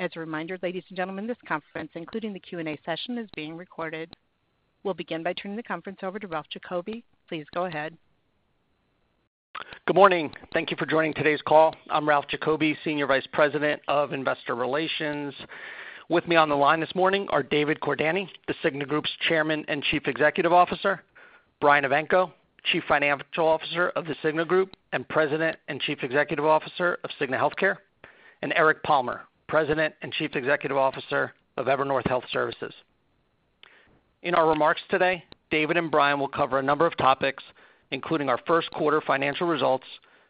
As a reminder, ladies and gentlemen, this conference, including the Q&A session, is being recorded. We'll begin by turning the conference over to Ralph Giacobbe. Please go ahead. Good morning. Thank you for joining today's call. I'm Ralph Giacobbe, Senior Vice President of Investor Relations. With me on the line this morning are David Cordani, The Cigna Group's Chairman and Chief Executive Officer, Brian Evanko, Chief Financial Officer of the Cigna Group and President and Chief Executive Officer of Cigna Healthcare, and Eric Palmer, President and Chief Executive Officer of Evernorth Health Services. In our remarks today, David and Brian will cover a number of topics, including our first quarter financial results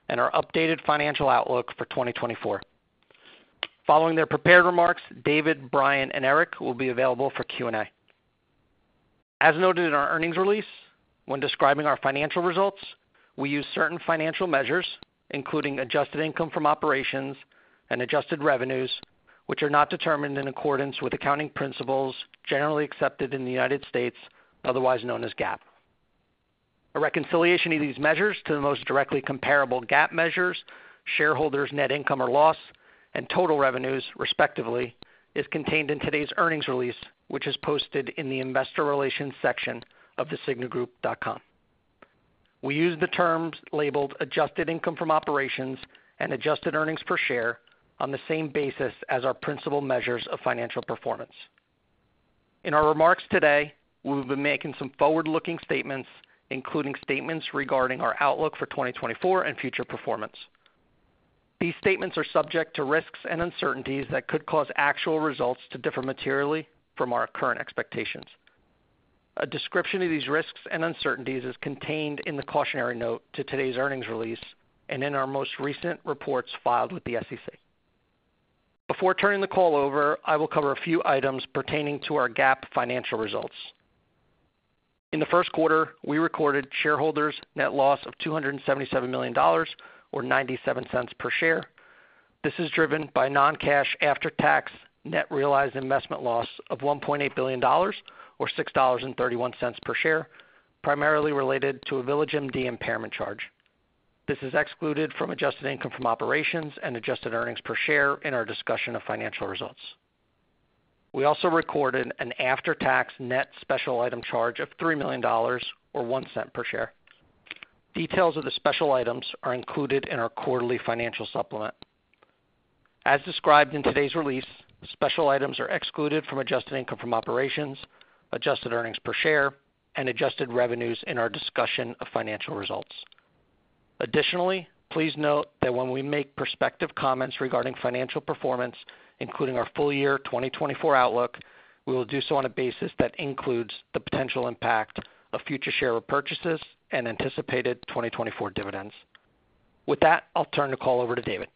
and our updated financial outlook for 2024. Following their prepared remarks, David, Brian, and Eric will be available for Q&A. As noted in our earnings release, when describing our financial results, we use certain financial measures, including adjusted income from operations and adjusted revenues, which are not determined in accordance with Generally Accepted Accounting Principles in the United States, otherwise known as GAAP. A reconciliation of these measures to the most directly comparable GAAP measures, shareholders' net income or loss, and total revenues, respectively, is contained in today's earnings release, which is posted in the Investor Relations section of thecignagroup.com. We use the terms labeled adjusted income from operations and adjusted earnings per share on the same basis as our principal measures of financial performance. In our remarks today, we will be making some forward-looking statements, including statements regarding our outlook for 2024 and future performance. These statements are subject to risks and uncertainties that could cause actual results to differ materially from our current expectations. A description of these risks and uncertainties is contained in the cautionary note to today's earnings release and in our most recent reports filed with the SEC. Before turning the call over, I will cover a few items pertaining to our GAAP financial results. In the first quarter, we recorded shareholders' net loss of $277 million or $0.97 per share. This is driven by non-cash after-tax net realized investment loss of $1.8 billion or $6.31 per share, primarily related to a VillageMD impairment charge. This is excluded from adjusted income from operations and adjusted earnings per share in our discussion of financial results. We also recorded an after-tax net special item charge of $3 million or $0.01 per share. Details of the special items are included in our quarterly financial supplement. As described in today's release, special items are excluded from adjusted income from operations, adjusted earnings per share, and adjusted revenues in our discussion of financial results. Additionally, please note that when we make prospective comments regarding financial performance, including our full-year 2024 outlook, we will do so on a basis that includes the potential impact of future share repurchases and anticipated 2024 dividends. With that, I'll turn the call over to David.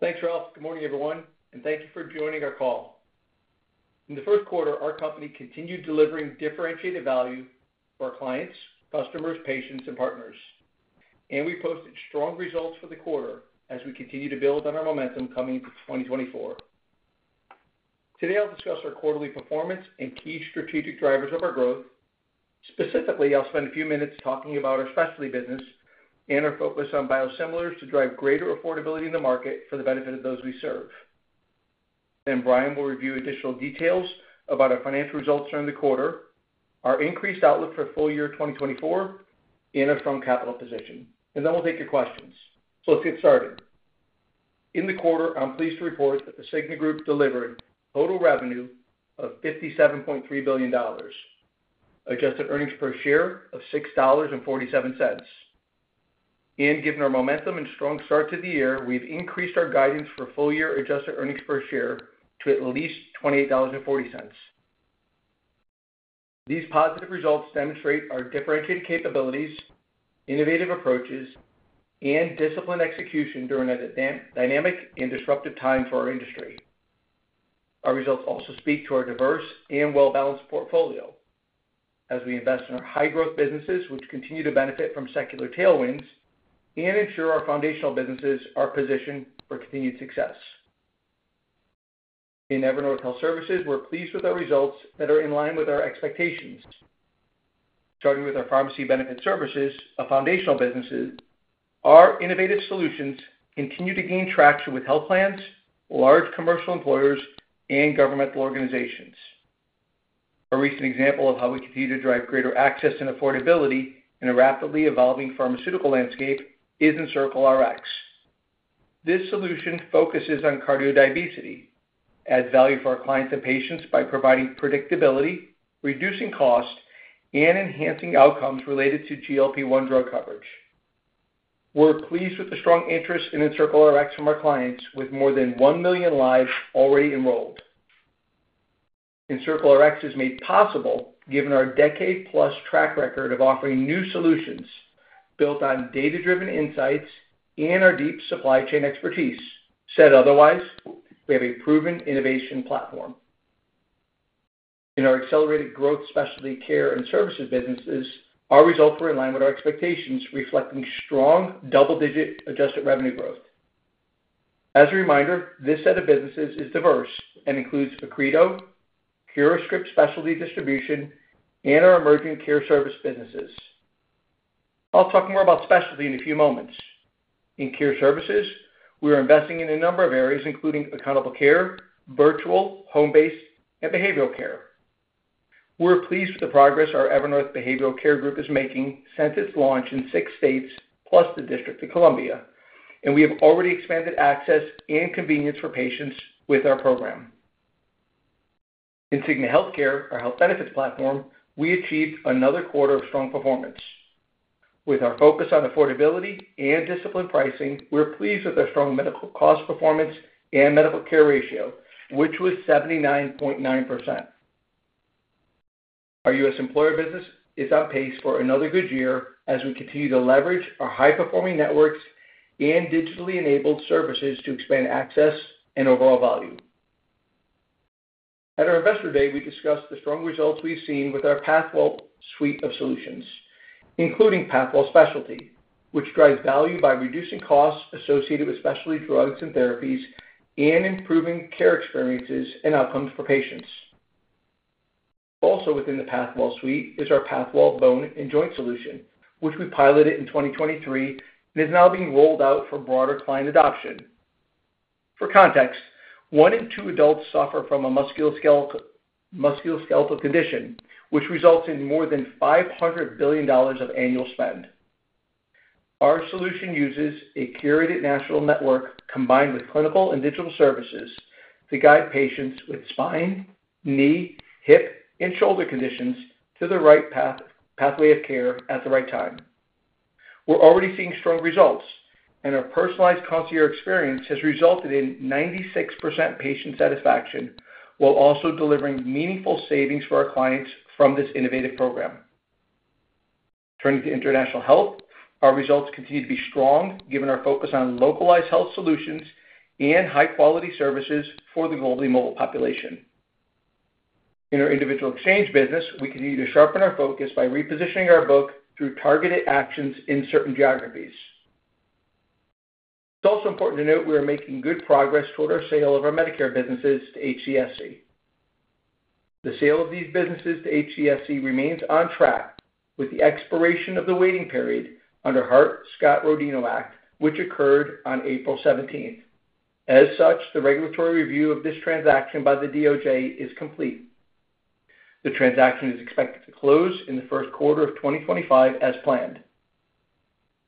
Thanks, Ralph. Good morning, everyone, and thank you for joining our call. In the first quarter, our company continued delivering differentiated value for our clients, customers, patients, and partners, and we posted strong results for the quarter as we continue to build on our momentum coming into 2024. Today, I'll discuss our quarterly performance and key strategic drivers of our growth. Specifically, I'll spend a few minutes talking about our specialty business and our focus on biosimilars to drive greater affordability in the market for the benefit of those we serve. Then Brian will review additional details about our financial results during the quarter, our increased outlook for full-year 2024, and our firm capital position. And then we'll take your questions. So let's get started. In the quarter, I'm pleased to report that The Cigna Group delivered total revenue of $57.3 billion, adjusted earnings per share of $6.47. Given our momentum and strong start to the year, we've increased our guidance for full-year adjusted earnings per share to at least $28.40. These positive results demonstrate our differentiated capabilities, innovative approaches, and disciplined execution during a dynamic and disruptive time for our industry. Our results also speak to our diverse and well-balanced portfolio as we invest in our high-growth businesses, which continue to benefit from secular tailwinds and ensure our Foundational businesses are positioned for continued success. In Evernorth Health Services, we're pleased with our results that are in line with our expectations. Starting with our Pharmacy Benefit Services, a foundational business, our innovative solutions continue to gain traction with health plans, large commercial employers, and governmental organizations. A recent example of how we continue to drive greater access and affordability in a rapidly evolving pharmaceutical landscape is in EncircleRx. This solution focuses on cardiodiabetes, adds value for our clients and patients by providing predictability, reducing cost, and enhancing outcomes related to GLP-1 drug coverage. We're pleased with the strong interest in EncircleRx from our clients, with more than 1 million lives already enrolled. EncircleRx is made possible given our decade-plus track record of offering new solutions built on data-driven insights and our deep supply chain expertise. Said otherwise, we have a proven innovation platform. In our accelerated growth specialty care and services businesses, our results were in line with our expectations, reflecting strong double-digit adjusted revenue growth. As a reminder, this set of businesses is diverse and includes Accredo, CuraScript specialty distribution, and our emerging care service businesses. I'll talk more about specialty in a few moments. In care services, we are investing in a number of areas, including accountable care, virtual, home-based, and behavioral care. We're pleased with the progress our Evernorth Behavioral Care Group is making since its launch in six states plus the District of Columbia, and we have already expanded access and convenience for patients with our program. In Cigna Healthcare, our health benefits platform, we achieved another quarter of strong performance. With our focus on affordability and disciplined pricing, we're pleased with our strong medical cost performance and medical care ratio, which was 79.9%. Our U.S. employer business is on pace for another good year as we continue to leverage our high-performing networks and digitally-enabled services to expand access and overall value. At our investor day, we discussed the strong results we've seen with our Pathwell suite of solutions, including Pathwell Specialty, which drives value by reducing costs associated with specialty drugs and therapies and improving care experiences and outcomes for patients. Also within the Pathwell suite is our Pathwell Bone and Joint Solution, which we piloted in 2023 and is now being rolled out for broader client adoption. For context, one in two adults suffer from a musculoskeletal condition, which results in more than $500 billion of annual spend. Our solution uses a curated national network combined with clinical and digital services to guide patients with spine, knee, hip, and shoulder conditions to the right pathway of care at the right time. We're already seeing strong results, and our personalized concierge experience has resulted in 96% patient satisfaction while also delivering meaningful savings for our clients from this innovative program. Turning to international health, our results continue to be strong given our focus on localized health solutions and high-quality services for the globally mobile population. In our individual exchange business, we continue to sharpen our focus by repositioning our book through targeted actions in certain geographies. It's also important to note we are making good progress toward our sale of our Medicare businesses to HCSC. The sale of these businesses to HCSC remains on track with the expiration of the waiting period under Hart-Scott-Rodino Act, which occurred on April 17th. As such, the regulatory review of this transaction by the DOJ is complete. The transaction is expected to close in the first quarter of 2025 as planned.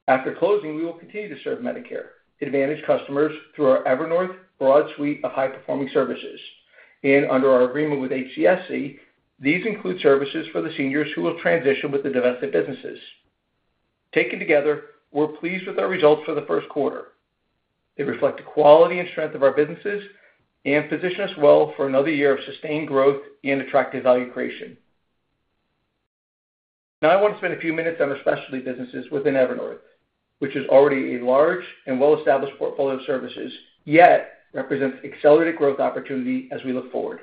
After closing, we will continue to serve Medicare Advantage customers through our Evernorth broad suite of high-performing services. Under our agreement with HCSC, these include services for the seniors who will transition with the domestic businesses. Taken together, we're pleased with our results for the first quarter. They reflect the quality and strength of our businesses and position us well for another year of sustained growth and attractive value creation. Now I want to spend a few minutes on our specialty businesses within Evernorth, which is already a large and well-established portfolio of services, yet represents accelerated growth opportunity as we look forward.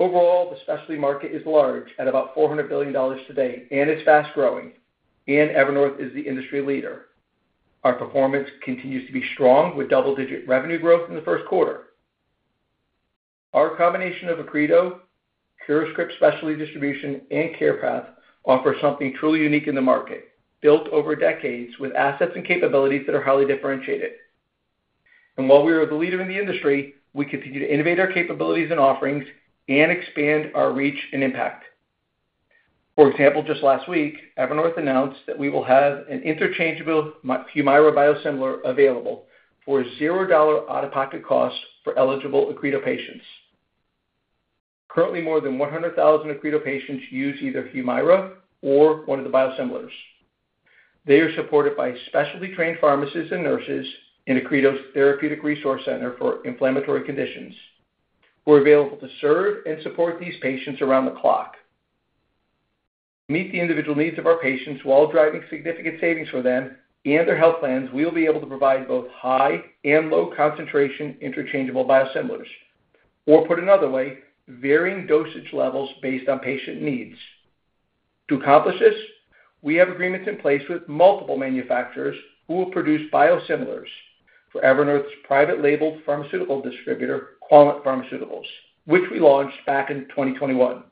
Overall, the specialty market is large at about $400 billion today and is fast-growing, and Evernorth is the industry leader. Our performance continues to be strong with double-digit revenue growth in the first quarter. Our combination of Accredo, CuraScript SD, and CarePath offers something truly unique in the market, built over decades with assets and capabilities that are highly differentiated. And while we are the leader in the industry, we continue to innovate our capabilities and offerings and expand our reach and impact. For example, just last week, Evernorth announced that we will have an interchangeable Humira biosimilar available for a $0 out-of-pocket cost for eligible Accredo patients. Currently, more than 100,000 Accredo patients use either Humira or one of the biosimilars. They are supported by specially trained pharmacists and nurses in Accredo's Therapeutic Resource Center for inflammatory conditions. We're available to serve and support these patients around the clock. To meet the individual needs of our patients while driving significant savings for them and their health plans, we will be able to provide both high and low-concentration interchangeable biosimilars, or put another way, varying dosage levels based on patient needs. To accomplish this, we have agreements in place with multiple manufacturers who will produce biosimilars for Evernorth's private-label pharmaceutical distributor, Quallent Pharmaceuticals, which we launched back in 2021.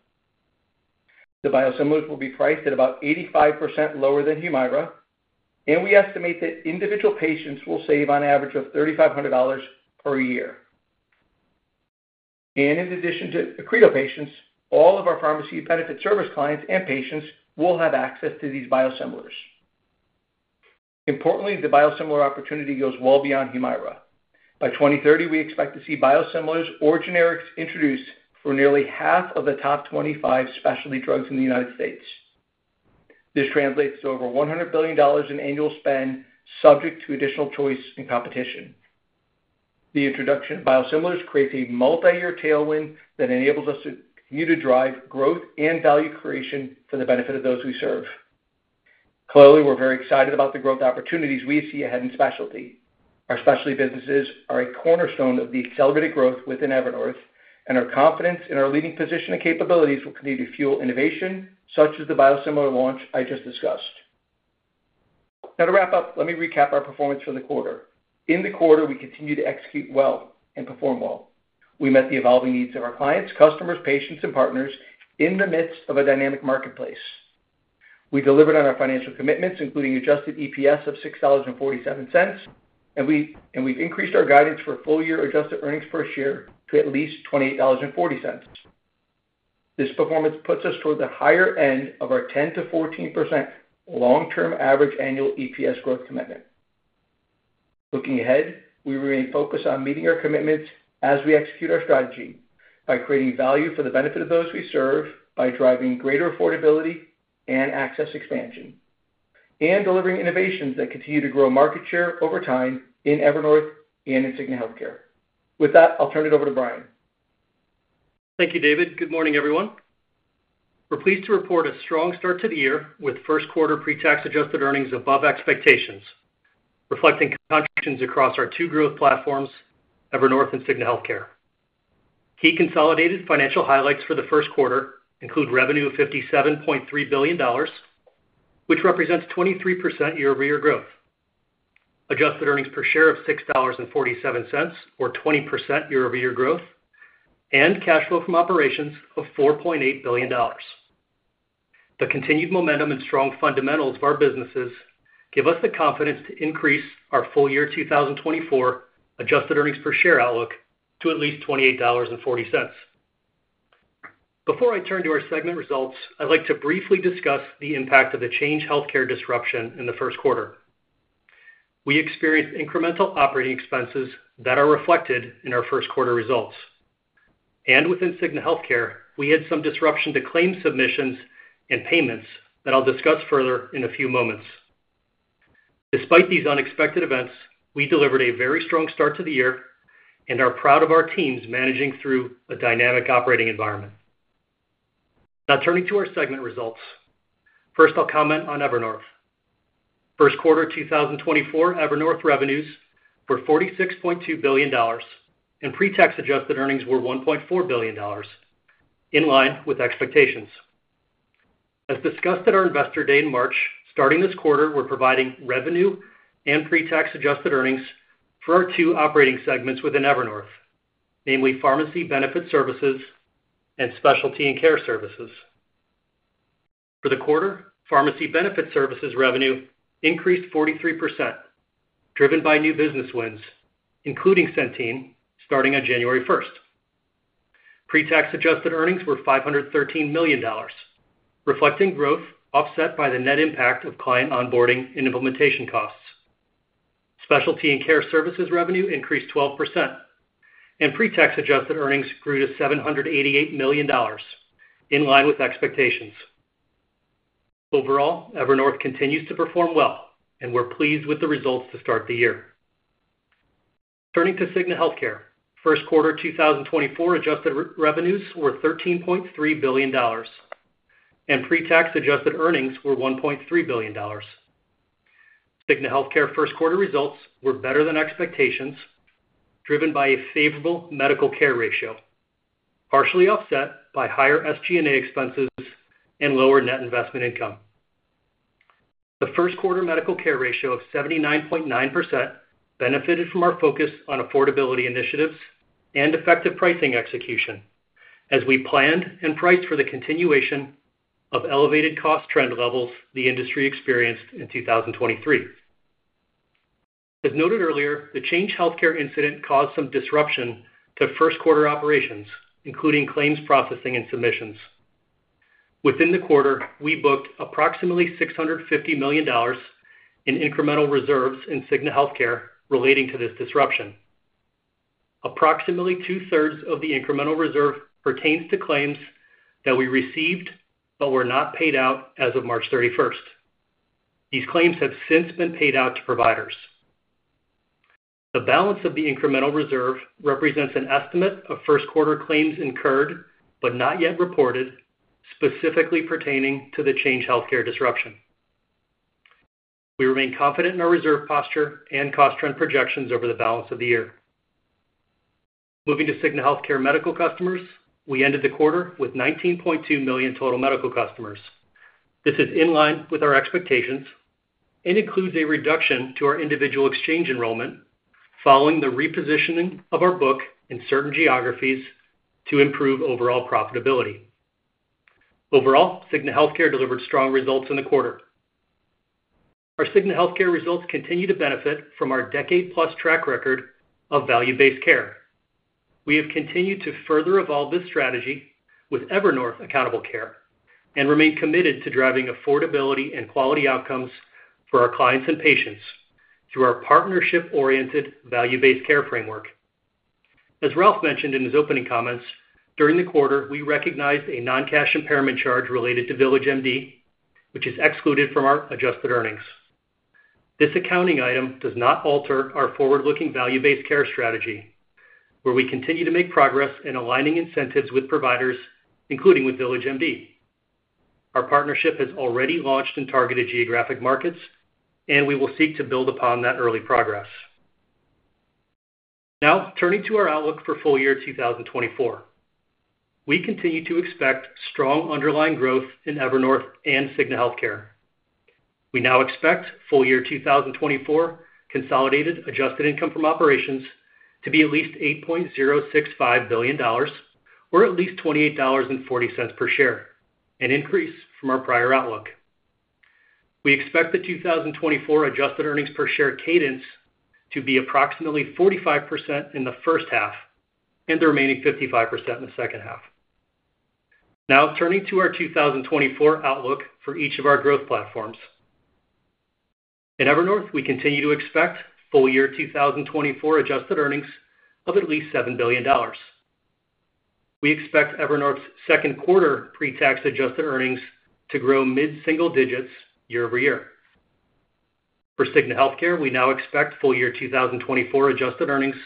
The biosimilars will be priced at about 85% lower than Humira, and we estimate that individual patients will save on average of $3,500 per year. In addition to Accredo patients, all of our pharmacy benefit service clients and patients will have access to these biosimilars. Importantly, the biosimilar opportunity goes well beyond Humira. By 2030, we expect to see biosimilars or generics introduced for nearly half of the top 25 specialty drugs in the United States. This translates to over $100 billion in annual spend subject to additional choice and competition. The introduction of biosimilars creates a multi-year tailwind that enables us to continue to drive growth and value creation for the benefit of those we serve. Clearly, we're very excited about the growth opportunities we see ahead in specialty. Our specialty businesses are a cornerstone of the accelerated growth within Evernorth, and our confidence in our leading position and capabilities will continue to fuel innovation such as the biosimilar launch I just discussed. Now to wrap up, let me recap our performance for the quarter. In the quarter, we continue to execute well and perform well. We met the evolving needs of our clients, customers, patients, and partners in the midst of a dynamic marketplace. We delivered on our financial commitments, including adjusted EPS of $6.47, and we've increased our guidance for full-year adjusted earnings per share to at least $28.40. This performance puts us toward the higher end of our 10%-14% long-term average annual EPS growth commitment. Looking ahead, we remain focused on meeting our commitments as we execute our strategy by creating value for the benefit of those we serve, by driving greater affordability and access expansion, and delivering innovations that continue to grow market share over time in Evernorth and in Cigna Healthcare. With that, I'll turn it over to Brian. Thank you, David. Good morning, everyone. We're pleased to report a strong start to the year with first-quarter pre-tax adjusted earnings above expectations, reflecting contributions across our two growth platforms, Evernorth and Cigna Healthcare. Key consolidated financial highlights for the first quarter include revenue of $57.3 billion, which represents 23% year-over-year growth, adjusted earnings per share of $6.47, or 20% year-over-year growth, and cash flow from operations of $4.8 billion. The continued momentum and strong fundamentals of our businesses give us the confidence to increase our full-year 2024 adjusted earnings per share outlook to at least $28.40. Before I turn to our segment results, I'd like to briefly discuss the impact of the Change Healthcare disruption in the first quarter. We experienced incremental operating expenses that are reflected in our first quarter results. Within Cigna Healthcare, we had some disruption to claim submissions and payments that I'll discuss further in a few moments. Despite these unexpected events, we delivered a very strong start to the year and are proud of our teams managing through a dynamic operating environment. Now turning to our segment results. First, I'll comment on Evernorth. First quarter 2024 Evernorth revenues were $46.2 billion, and pre-tax adjusted earnings were $1.4 billion, in line with expectations. As discussed at our investor day in March, starting this quarter, we're providing revenue and pre-tax adjusted earnings for our two operating segments within Evernorth, namely Pharmacy Benefit Services and Specialty and Care Services. For the quarter, Pharmacy Benefit Services revenue increased 43%, driven by new business wins, including Centene, starting on January 1st. Pre-tax adjusted earnings were $513 million, reflecting growth offset by the net impact of client onboarding and implementation costs. Specialty and Care Services revenue increased 12%, and pre-tax adjusted earnings grew to $788 million, in line with expectations. Overall, Evernorth continues to perform well, and we're pleased with the results to start the year. Turning to Cigna Healthcare, first quarter 2024 adjusted revenues were $13.3 billion, and pre-tax adjusted earnings were $1.3 billion. Cigna Healthcare first quarter results were better than expectations, driven by a favorable medical care ratio, partially offset by higher SG&A expenses and lower net investment income. The first quarter medical care ratio of 79.9% benefited from our focus on affordability initiatives and effective pricing execution as we planned and priced for the continuation of elevated cost trend levels the industry experienced in 2023. As noted earlier, the Change Healthcare incident caused some disruption to first quarter operations, including claims processing and submissions. Within the quarter, we booked approximately $650 million in incremental reserves in Cigna Healthcare relating to this disruption. Approximately two-thirds of the incremental reserve pertains to claims that we received but were not paid out as of March 31st. These claims have since been paid out to providers. The balance of the incremental reserve represents an estimate of first quarter claims incurred but not yet reported, specifically pertaining to the Change Healthcare disruption. We remain confident in our reserve posture and cost trend projections over the balance of the year. Moving to Cigna Healthcare medical customers, we ended the quarter with 19.2 million total medical customers. This is in line with our expectations and includes a reduction to our individual exchange enrollment following the repositioning of our book in certain geographies to improve overall profitability. Overall, Cigna Healthcare delivered strong results in the quarter. Our Cigna Healthcare results continue to benefit from our decade-plus track record of value-based care. We have continued to further evolve this strategy with Evernorth Accountable Care and remain committed to driving affordability and quality outcomes for our clients and patients through our partnership-oriented value-based care framework. As Ralph mentioned in his opening comments, during the quarter, we recognized a non-cash impairment charge related to VillageMD, which is excluded from our adjusted earnings. This accounting item does not alter our forward-looking value-based care strategy, where we continue to make progress in aligning incentives with providers, including with VillageMD. Our partnership has already launched and targeted geographic markets, and we will seek to build upon that early progress. Now turning to our outlook for full-year 2024. We continue to expect strong underlying growth in Evernorth and Cigna Healthcare. We now expect full-year 2024 consolidated adjusted income from operations to be at least $8.065 billion, or at least $28.40 per share, an increase from our prior outlook. We expect the 2024 adjusted earnings per share cadence to be approximately 45% in the first half and the remaining 55% in the second half. Now turning to our 2024 outlook for each of our growth platforms. In Evernorth, we continue to expect full-year 2024 adjusted earnings of at least $7 billion. We expect Evernorth's second quarter pre-tax adjusted earnings to grow mid-single digits year-over-year. For Cigna Healthcare, we now expect full-year 2024 adjusted earnings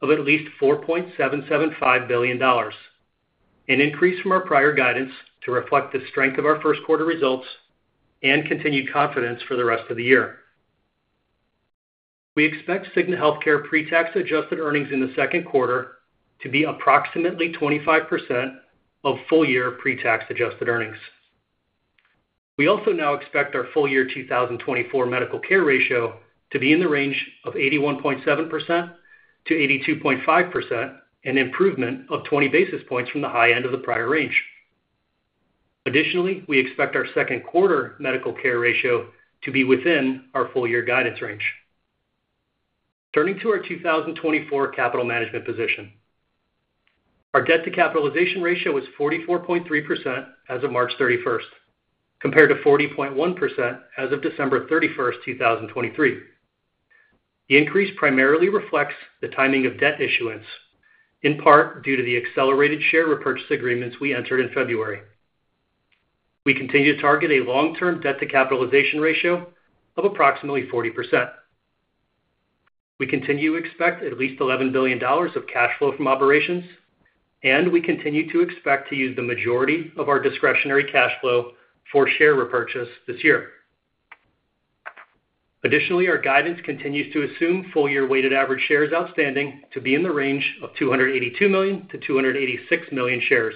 of at least $4.775 billion, an increase from our prior guidance to reflect the strength of our first quarter results and continued confidence for the rest of the year. We expect Cigna Healthcare pre-tax adjusted earnings in the second quarter to be approximately 25% of full-year pre-tax adjusted earnings. We also now expect our full-year 2024 medical care ratio to be in the range of 81.7%-82.5%, an improvement of 20 basis points from the high end of the prior range. Additionally, we expect our second quarter medical care ratio to be within our full-year guidance range. Turning to our 2024 capital management position. Our debt-to-capitalization ratio was 44.3% as of March 31st, compared to 40.1% as of December 31st, 2023. The increase primarily reflects the timing of debt issuance, in part due to the accelerated share repurchase agreements we entered in February. We continue to target a long-term debt-to-capitalization ratio of approximately 40%. We continue to expect at least $11 billion of cash flow from operations, and we continue to expect to use the majority of our discretionary cash flow for share repurchase this year. Additionally, our guidance continues to assume full-year weighted average shares outstanding to be in the range of 282 million-286 million shares.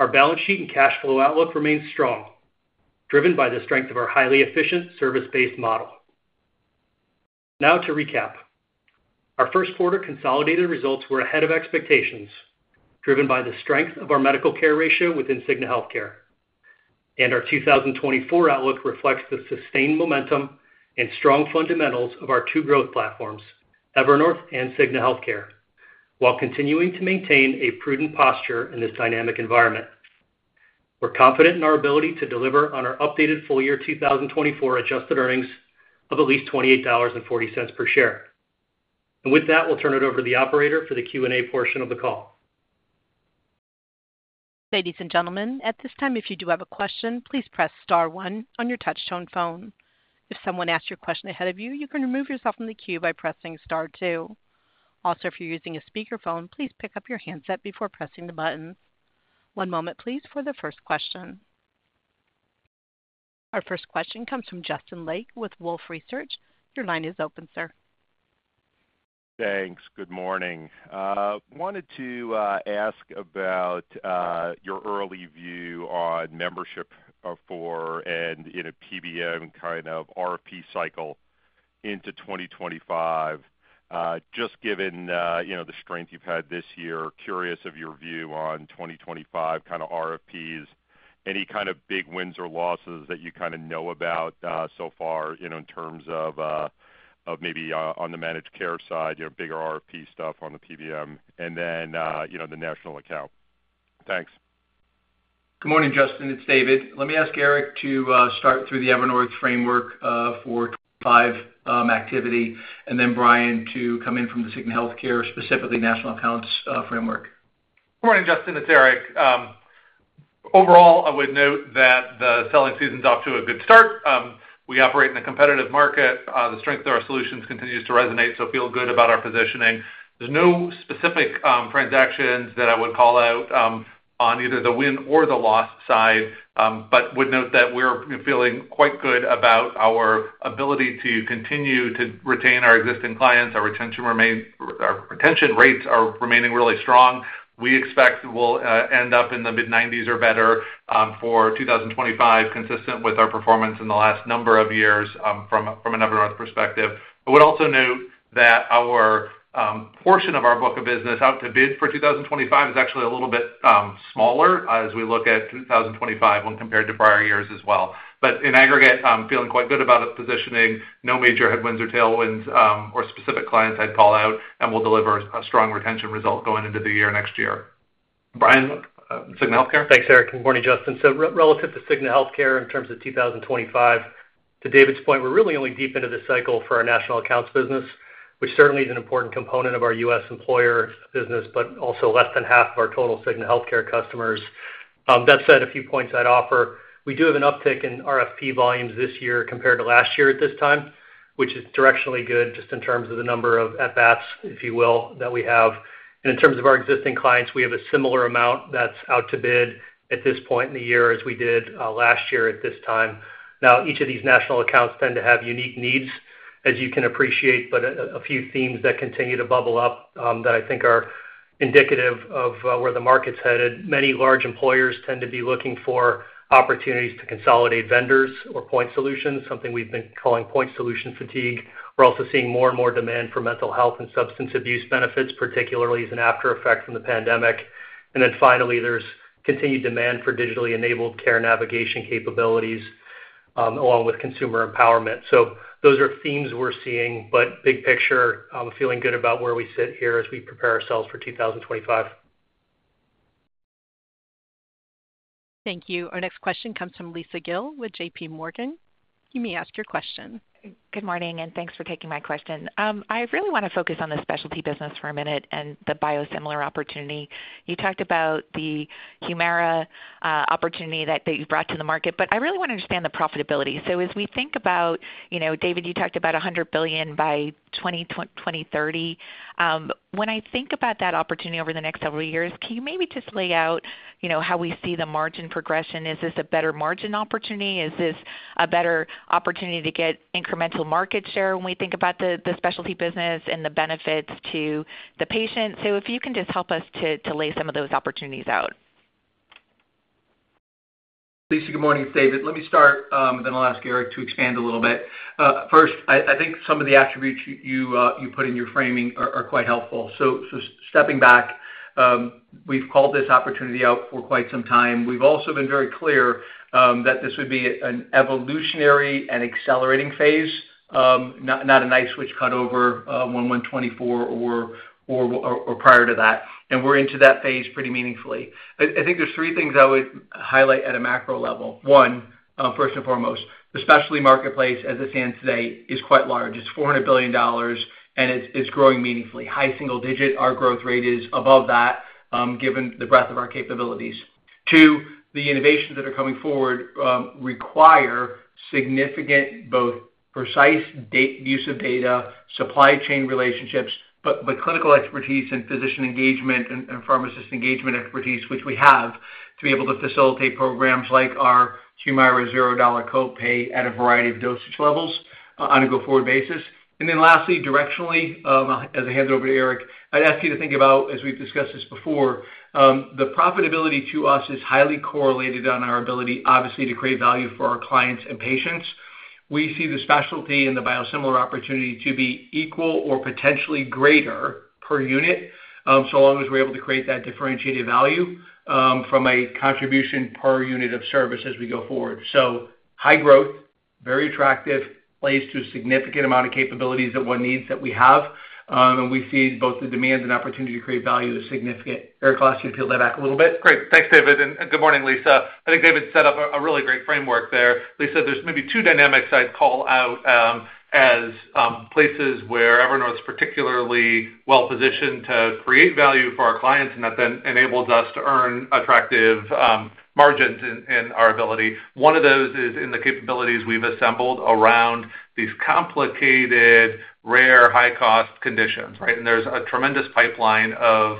Our balance sheet and cash flow outlook remains strong, driven by the strength of our highly efficient service-based model. Now to recap. Our first quarter consolidated results were ahead of expectations, driven by the strength of our medical care ratio within Cigna Healthcare, and our 2024 outlook reflects the sustained momentum and strong fundamentals of our two growth platforms, Evernorth and Cigna Healthcare, while continuing to maintain a prudent posture in this dynamic environment. We're confident in our ability to deliver on our updated full-year 2024 adjusted earnings of at least $28.40 per share. With that, we'll turn it over to the operator for the Q&A portion of the call. Ladies and gentlemen, at this time, if you do have a question, please press star one on your touch-tone phone. If someone asks your question ahead of you, you can remove yourself from the queue by pressing star two. Also, if you're using a speakerphone, please pick up your handset before pressing the buttons. One moment, please, for the first question. Our first question comes from Justin Lake with Wolfe Research. Your line is open, sir. Thanks. Good morning. Wanted to ask about your early view on membership for and PBM kind of RFP cycle into 2025. Just given the strength you've had this year, curious of your view on 2025 kind of RFPs, any kind of big wins or losses that you kind of know about so far in terms of maybe on the managed care side, bigger RFP stuff on the PBM, and then the national account. Thanks. Good morning, Justin. It's David. Let me ask Eric to start through the Evernorth framework for 2025 activity, and then Brian to come in from the Cigna Healthcare, specifically national accounts framework. Good morning, Justin. It's Eric. Overall, I would note that the selling season's off to a good start. We operate in a competitive market. The strength of our solutions continues to resonate, so feel good about our positioning. There's no specific transactions that I would call out on either the win or the loss side, but would note that we're feeling quite good about our ability to continue to retain our existing clients. Our retention rates are remaining really strong. We expect we'll end up in the mid-90s or better for 2025, consistent with our performance in the last number of years from an Evernorth perspective. I would also note that our portion of our book of business out to bid for 2025 is actually a little bit smaller as we look at 2025 when compared to prior years as well. But in aggregate, feeling quite good about our positioning. No major headwinds or tailwinds or specific clients I'd call out, and we'll deliver a strong retention result going into the year next year. Brian, Cigna Healthcare? Thanks, Eric. Good morning, Justin. So relative to Cigna Healthcare in terms of 2025, to David's point, we're really only deep into the cycle for our national accounts business, which certainly is an important component of our U.S. employer business, but also less than half of our total Cigna Healthcare customers. That said, a few points I'd offer. We do have an uptick in RFP volumes this year compared to last year at this time, which is directionally good just in terms of the number of at-bats, if you will, that we have. And in terms of our existing clients, we have a similar amount that's out to bid at this point in the year as we did last year at this time. Now, each of these national accounts tend to have unique needs, as you can appreciate, but a few themes that continue to bubble up that I think are indicative of where the market's headed. Many large employers tend to be looking for opportunities to consolidate vendors or point solutions, something we've been calling point solution fatigue. We're also seeing more and more demand for mental health and substance abuse benefits, particularly as an aftereffect from the pandemic. And then finally, there's continued demand for digitally enabled care navigation capabilities along with consumer empowerment. So those are themes we're seeing, but big picture, feeling good about where we sit here as we prepare ourselves for 2025. Thank you. Our next question comes from Lisa Gill with J.P. Morgan. You may ask your question. Good morning, and thanks for taking my question. I really want to focus on the specialty business for a minute and the biosimilar opportunity. You talked about the Humira opportunity that you brought to the market, but I really want to understand the profitability. So as we think about David, you talked about $100 billion by 2030. When I think about that opportunity over the next several years, can you maybe just lay out how we see the margin progression? Is this a better margin opportunity? Is this a better opportunity to get incremental market share when we think about the specialty business and the benefits to the patients? So if you can just help us to lay some of those opportunities out. Lisa, good morning, David. Let me start, and then I'll ask Eric to expand a little bit. First, I think some of the attributes you put in your framing are quite helpful. So stepping back, we've called this opportunity out for quite some time. We've also been very clear that this would be an evolutionary and accelerating phase, not a nice switch cut over 11/2024 or prior to that. And we're into that phase pretty meaningfully. I think there's three things I would highlight at a macro level. One, first and foremost, the specialty marketplace, as it stands today, is quite large. It's $400 billion, and it's growing meaningfully. High single digit, our growth rate is above that given the breadth of our capabilities. Two, the innovations that are coming forward require significant both precise use of data, supply chain relationships, but clinical expertise and physician engagement and pharmacist engagement expertise, which we have, to be able to facilitate programs like our Humira zero-dollar copay at a variety of dosage levels on a go forward basis. And then lastly, directionally, as I hand it over to Eric, I'd ask you to think about, as we've discussed this before, the profitability to us is highly correlated on our ability, obviously, to create value for our clients and patients. We see the specialty and the biosimilar opportunity to be equal or potentially greater per unit, so long as we're able to create that differentiated value from a contribution per unit of service as we go forward. So high growth, very attractive, plays to a significant amount of capabilities that one needs that we have. And we see both the demand and opportunity to create value as significant. Eric, I'll ask you to peel that back a little bit. Great. Thanks, David. And good morning, Lisa. I think David set up a really great framework there. Lisa, there's maybe two dynamics I'd call out as places where Evernorth is particularly well-positioned to create value for our clients, and that then enables us to earn attractive margins in our ability. One of those is in the capabilities we've assembled around these complicated, rare, high-cost conditions, right? And there's a tremendous pipeline of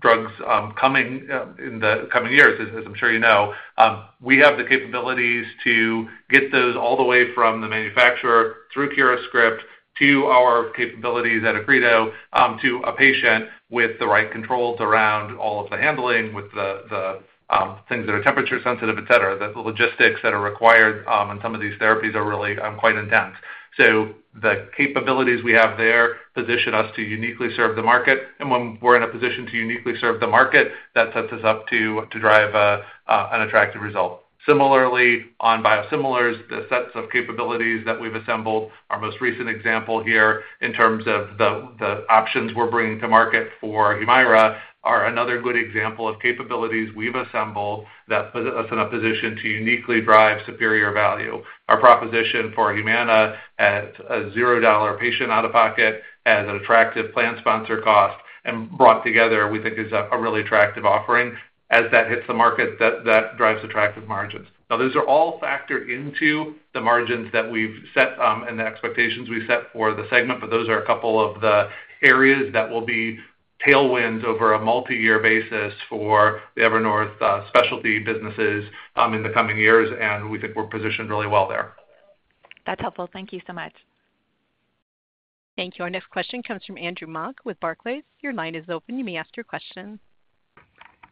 drugs coming in the coming years, as I'm sure you know. We have the capabilities to get those all the way from the manufacturer through CuraScript to our capabilities at Accredo to a patient with the right controls around all of the handling, with the things that are temperature-sensitive, etc., the logistics that are required. And some of these therapies are really quite intense. So the capabilities we have there position us to uniquely serve the market. When we're in a position to uniquely serve the market, that sets us up to drive an attractive result. Similarly, on biosimilars, the sets of capabilities that we've assembled, our most recent example here in terms of the options we're bringing to market for Humira are another good example of capabilities we've assembled that put us in a position to uniquely drive superior value. Our proposition for Humana at a $0 patient out-of-pocket as an attractive plan sponsor cost, and brought together, we think is a really attractive offering. As that hits the market, that drives attractive margins. Now, those are all factored into the margins that we've set and the expectations we set for the segment, but those are a couple of the areas that will be tailwinds over a multi-year basis for the Evernorth specialty businesses in the coming years. We think we're positioned really well there. That's helpful. Thank you so much. Thank you. Our next question comes from Andrew Mok with Barclays. Your line is open. You may ask your question.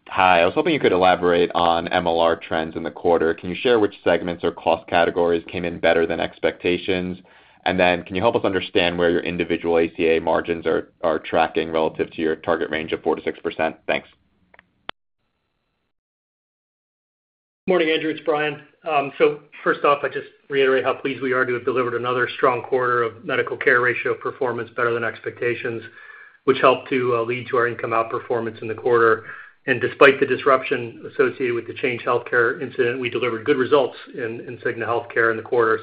Hi. I was hoping you could elaborate on MLR trends in the quarter. Can you share which segments or cost categories came in better than expectations? And then can you help us understand where your individual ACA margins are tracking relative to your target range of 4%-6%? Thanks. Good morning, Andrew. It's Brian. First off, I just reiterate how pleased we are to have delivered another strong quarter of Medical Care Ratio performance better than expectations, which helped to lead to our outperformance in the quarter. Despite the disruption associated with the Change Healthcare incident, we delivered good results in Cigna Healthcare in the quarter.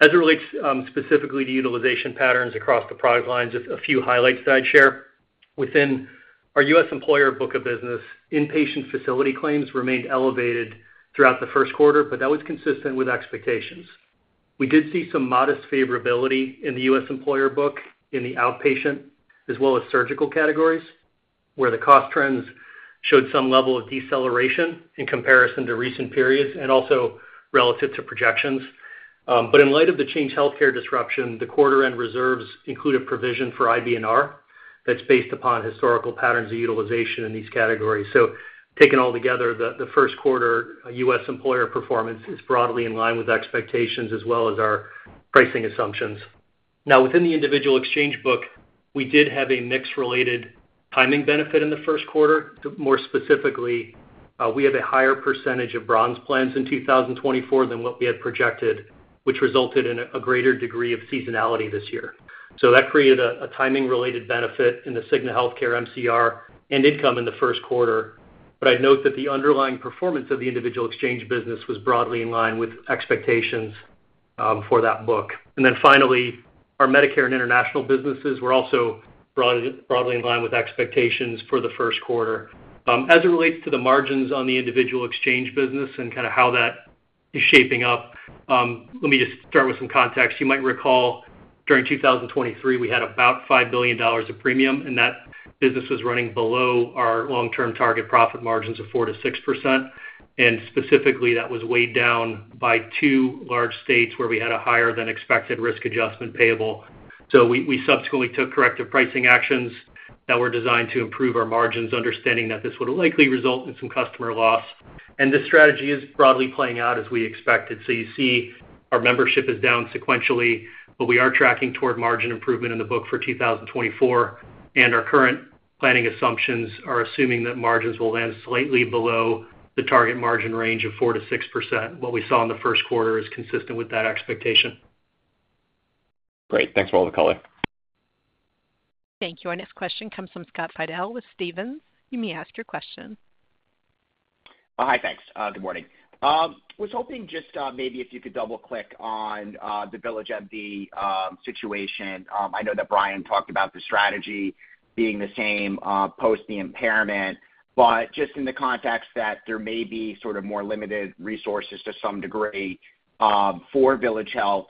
As it relates specifically to utilization patterns across the product lines, a few highlights that I'd share. Within our U.S. employer book of business, inpatient facility claims remained elevated throughout the first quarter, but that was consistent with expectations. We did see some modest favorability in the U.S. employer book in the outpatient as well as surgical categories, where the cost trends showed some level of deceleration in comparison to recent periods and also relative to projections. In light of the Change Healthcare disruption, the quarter-end reserves included provision for IBNR that's based upon historical patterns of utilization in these categories. Taken all together, the first quarter U.S. employer performance is broadly in line with expectations as well as our pricing assumptions. Now, within the individual exchange book, we did have a mix-related timing benefit in the first quarter. More specifically, we have a higher percentage of bronze plans in 2024 than what we had projected, which resulted in a greater degree of seasonality this year. That created a timing-related benefit in the Cigna Healthcare MCR and income in the first quarter. I'd note that the underlying performance of the individual exchange business was broadly in line with expectations for that book. Then finally, our Medicare and international businesses were also broadly in line with expectations for the first quarter. As it relates to the margins on the individual exchange business and kind of how that is shaping up, let me just start with some context. You might recall during 2023, we had about $5 billion of premium, and that business was running below our long-term target profit margins of 4%-6%. And specifically, that was weighed down by two large states where we had a higher-than-expected risk adjustment payable. So we subsequently took corrective pricing actions that were designed to improve our margins, understanding that this would likely result in some customer loss. And this strategy is broadly playing out as we expected. So you see our membership is down sequentially, but we are tracking toward margin improvement in the book for 2024. And our current planning assumptions are assuming that margins will land slightly below the target margin range of 4%-6%. What we saw in the first quarter is consistent with that expectation. Great. Thanks for all the color. Thank you. Our next question comes from Scott Fidel with Stephens. You may ask your question. Hi, thanks. Good morning. I was hoping just maybe if you could double-click on the VillageMD situation. I know that Brian talked about the strategy being the same post the impairment, but just in the context that there may be sort of more limited resources to some degree for VillageMD,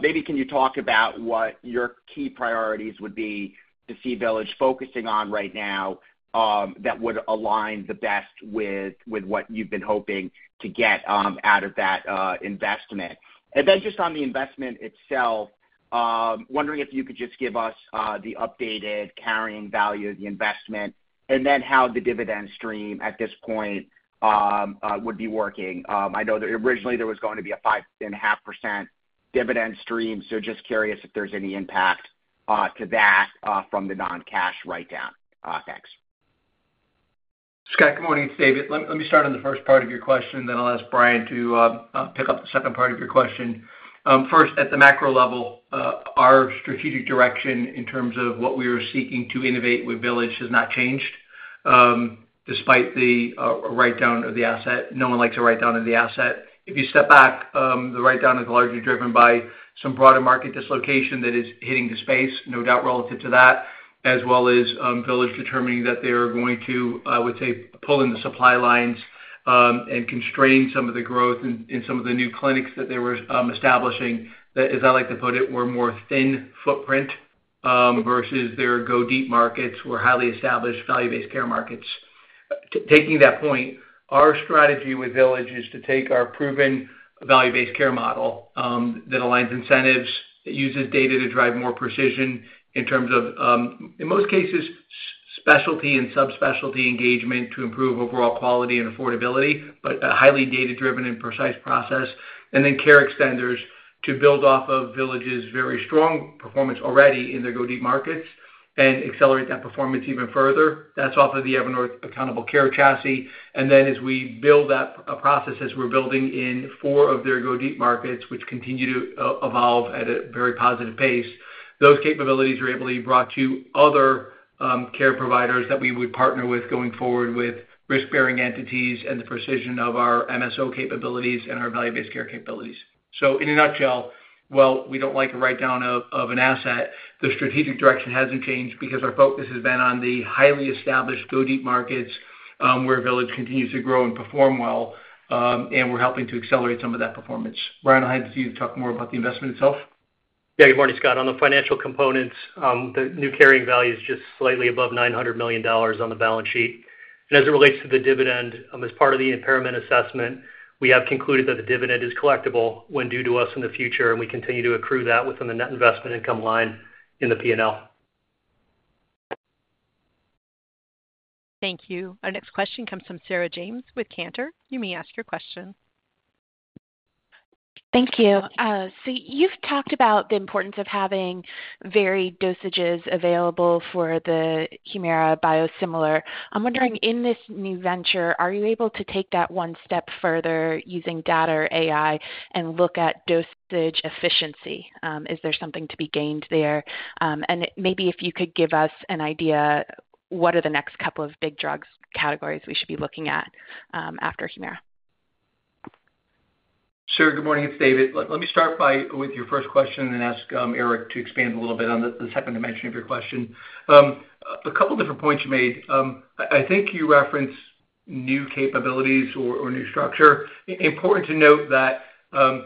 maybe can you talk about what your key priorities would be to see VillageMD focusing on right now that would align the best with what you've been hoping to get out of that investment? And then just on the investment itself, wondering if you could just give us the updated carrying value of the investment and then how the dividend stream at this point would be working. I know that originally, there was going to be a 5.5% dividend stream, so just curious if there's any impact to that from the non-cash write-down. Thanks. Scott, good morning, it's David. Let me start on the first part of your question, then I'll ask Brian to pick up the second part of your question. First, at the macro level, our strategic direction in terms of what we are seeking to innovate with Village has not changed despite the write-down of the asset. No one likes a write-down of the asset. If you step back, the write-down is largely driven by some broader market dislocation that is hitting the space, no doubt relative to that, as well as Village determining that they are going to, I would say, pull in the supply lines and constrain some of the growth in some of the new clinics that they were establishing, as I like to put it, were more thin-footprint versus their go-deep markets or highly established value-based care markets. Taking that point, our strategy with Village is to take our proven value-based care model that aligns incentives, that uses data to drive more precision in terms of, in most cases, specialty and subspecialty engagement to improve overall quality and affordability, but a highly data-driven and precise process, and then care extenders to build off of Village's very strong performance already in their go-deep markets and accelerate that performance even further. That's off of the Evernorth Accountable Care chassis. And then as we build that process, as we're building in four of their go-deep markets, which continue to evolve at a very positive pace, those capabilities are able to be brought to other care providers that we would partner with going forward with risk-bearing entities and the precision of our MSO capabilities and our value-based care capabilities. In a nutshell, while we don't like a write-down of an asset, the strategic direction hasn't changed because our focus has been on the highly established go-deep markets where Village continues to grow and perform well, and we're helping to accelerate some of that performance. Brian, I'll hand it to you to talk more about the investment itself. Yeah, good morning, Scott. On the financial components, the new carrying value is just slightly above $900 million on the balance sheet. As it relates to the dividend, as part of the impairment assessment, we have concluded that the dividend is collectible when due to us in the future, and we continue to accrue that within the net investment income line in the P&L. Thank you. Our next question comes from Sarah James with Cantor. You may ask your question. Thank you. So you've talked about the importance of having varied dosages available for the Humira biosimilar. I'm wondering, in this new venture, are you able to take that one step further using data or AI and look at dosage efficiency? Is there something to be gained there? And maybe if you could give us an idea, what are the next couple of big drugs categories we should be looking at after Humira? Sure. Good morning. It's David. Let me start with your first question and then ask Eric to expand a little bit on this happened to mention of your question. A couple of different points you made. I think you referenced new capabilities or new structure. Important to note that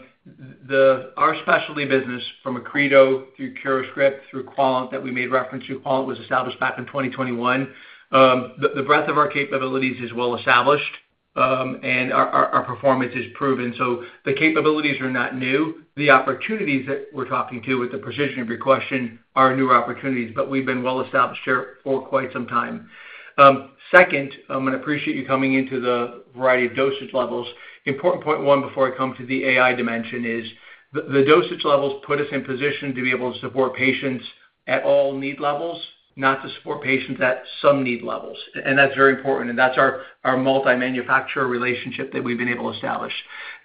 our specialty business, from Accredo through CuraScript through Quallent that we made reference to, Quallent was established back in 2021. The breadth of our capabilities is well established, and our performance is proven. So the capabilities are not new. The opportunities that we're talking to with the precision of your question are new opportunities, but we've been well-established here for quite some time. Second, I'm going to appreciate you coming into the variety of dosage levels. Important point one: before I come to the AI dimension, is the dosage levels put us in position to be able to support patients at all need levels, not to support patients at some need levels. That's very important. That's our multi-manufacturer relationship that we've been able to establish.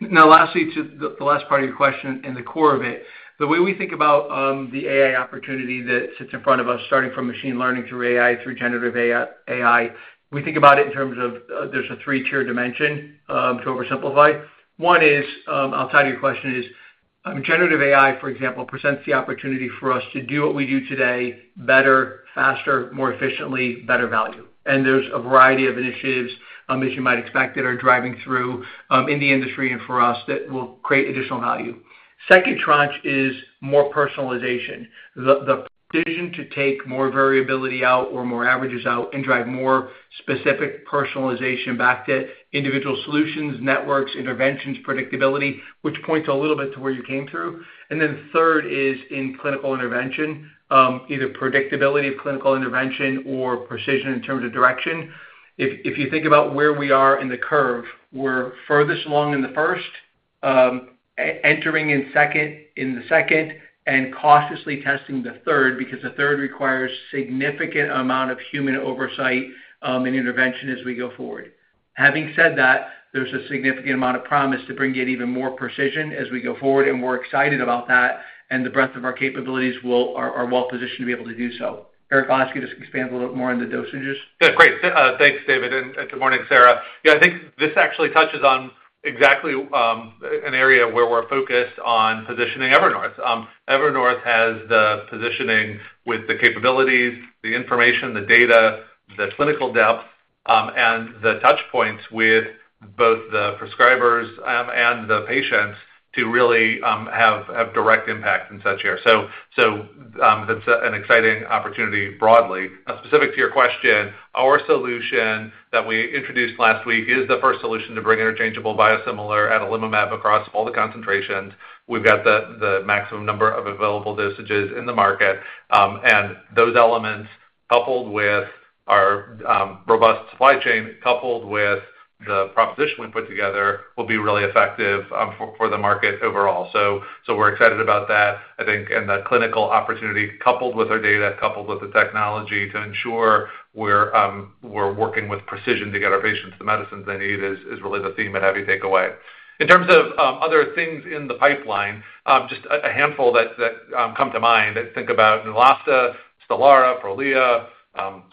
Now, lastly, to the last part of your question and the core of it, the way we think about the AI opportunity that sits in front of us, starting from machine learning through AI, through generative AI, we think about it in terms of there's a three-tier dimension to oversimplify. One, outside of your question, is generative AI, for example, presents the opportunity for us to do what we do today better, faster, more efficiently, better value. There's a variety of initiatives, as you might expect, that are driving through in the industry and for us that will create additional value. Second tranche is more personalization, the precision to take more variability out or more averages out and drive more specific personalization back to individual solutions, networks, interventions, predictability, which points a little bit to where you came through. And then third is in clinical intervention, either predictability of clinical intervention or precision in terms of direction. If you think about where we are in the curve, we're furthest along in the first, entering in the second, and cautiously testing the third because the third requires a significant amount of human oversight and intervention as we go forward. Having said that, there's a significant amount of promise to bring in even more precision as we go forward, and we're excited about that. The breadth of our capabilities are well-positioned to be able to do so. Eric, I'll ask you to expand a little bit more on the dosages. Yeah, great. Thanks, David. And good morning, Sarah. Yeah, I think this actually touches on exactly an area where we're focused on positioning Evernorth. Evernorth has the positioning with the capabilities, the information, the data, the clinical depth, and the touchpoints with both the prescribers and the patients to really have direct impact in such area. So that's an exciting opportunity broadly. Now, specific to your question, our solution that we introduced last week is the first solution to bring interchangeable biosimilar adalimumab across all the concentrations. We've got the maximum number of available dosages in the market. And those elements, coupled with our robust supply chain, coupled with the proposition we put together, will be really effective for the market overall. So we're excited about that, I think, and the clinical opportunity, coupled with our data, coupled with the technology to ensure we're working with precision to get our patients the medicines they need is really the theme and heavy takeaway. In terms of other things in the pipeline, just a handful that come to mind. Think about Neulasta, Stelara, Prolia,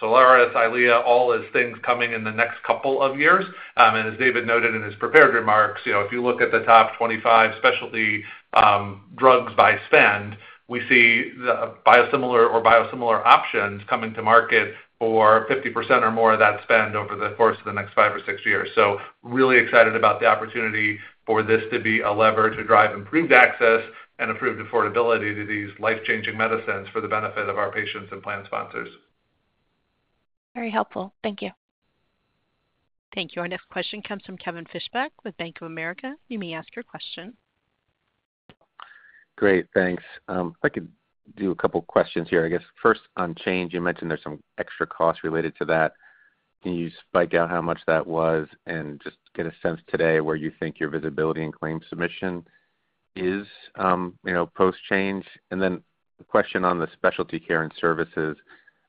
Soliris, Eylea, all as things coming in the next couple of years. And as David noted in his prepared remarks, if you look at the top 25 specialty drugs by spend, we see biosimilar or biosimilar options coming to market for 50% or more of that spend over the course of the next five or six years. So really excited about the opportunity for this to be a lever to drive improved access and improved affordability to these life-changing medicines for the benefit of our patients and plan sponsors. Very helpful. Thank you. Thank you. Our next question comes from Kevin Fischbeck with Bank of America. You may ask your question. Great. Thanks. If I could do a couple of questions here, I guess. First, on Change, you mentioned there's some extra costs related to that. Can you break out how much that was and just get a sense today of where you think your visibility and claim submission is post-Change? And then a question on the specialty care and services.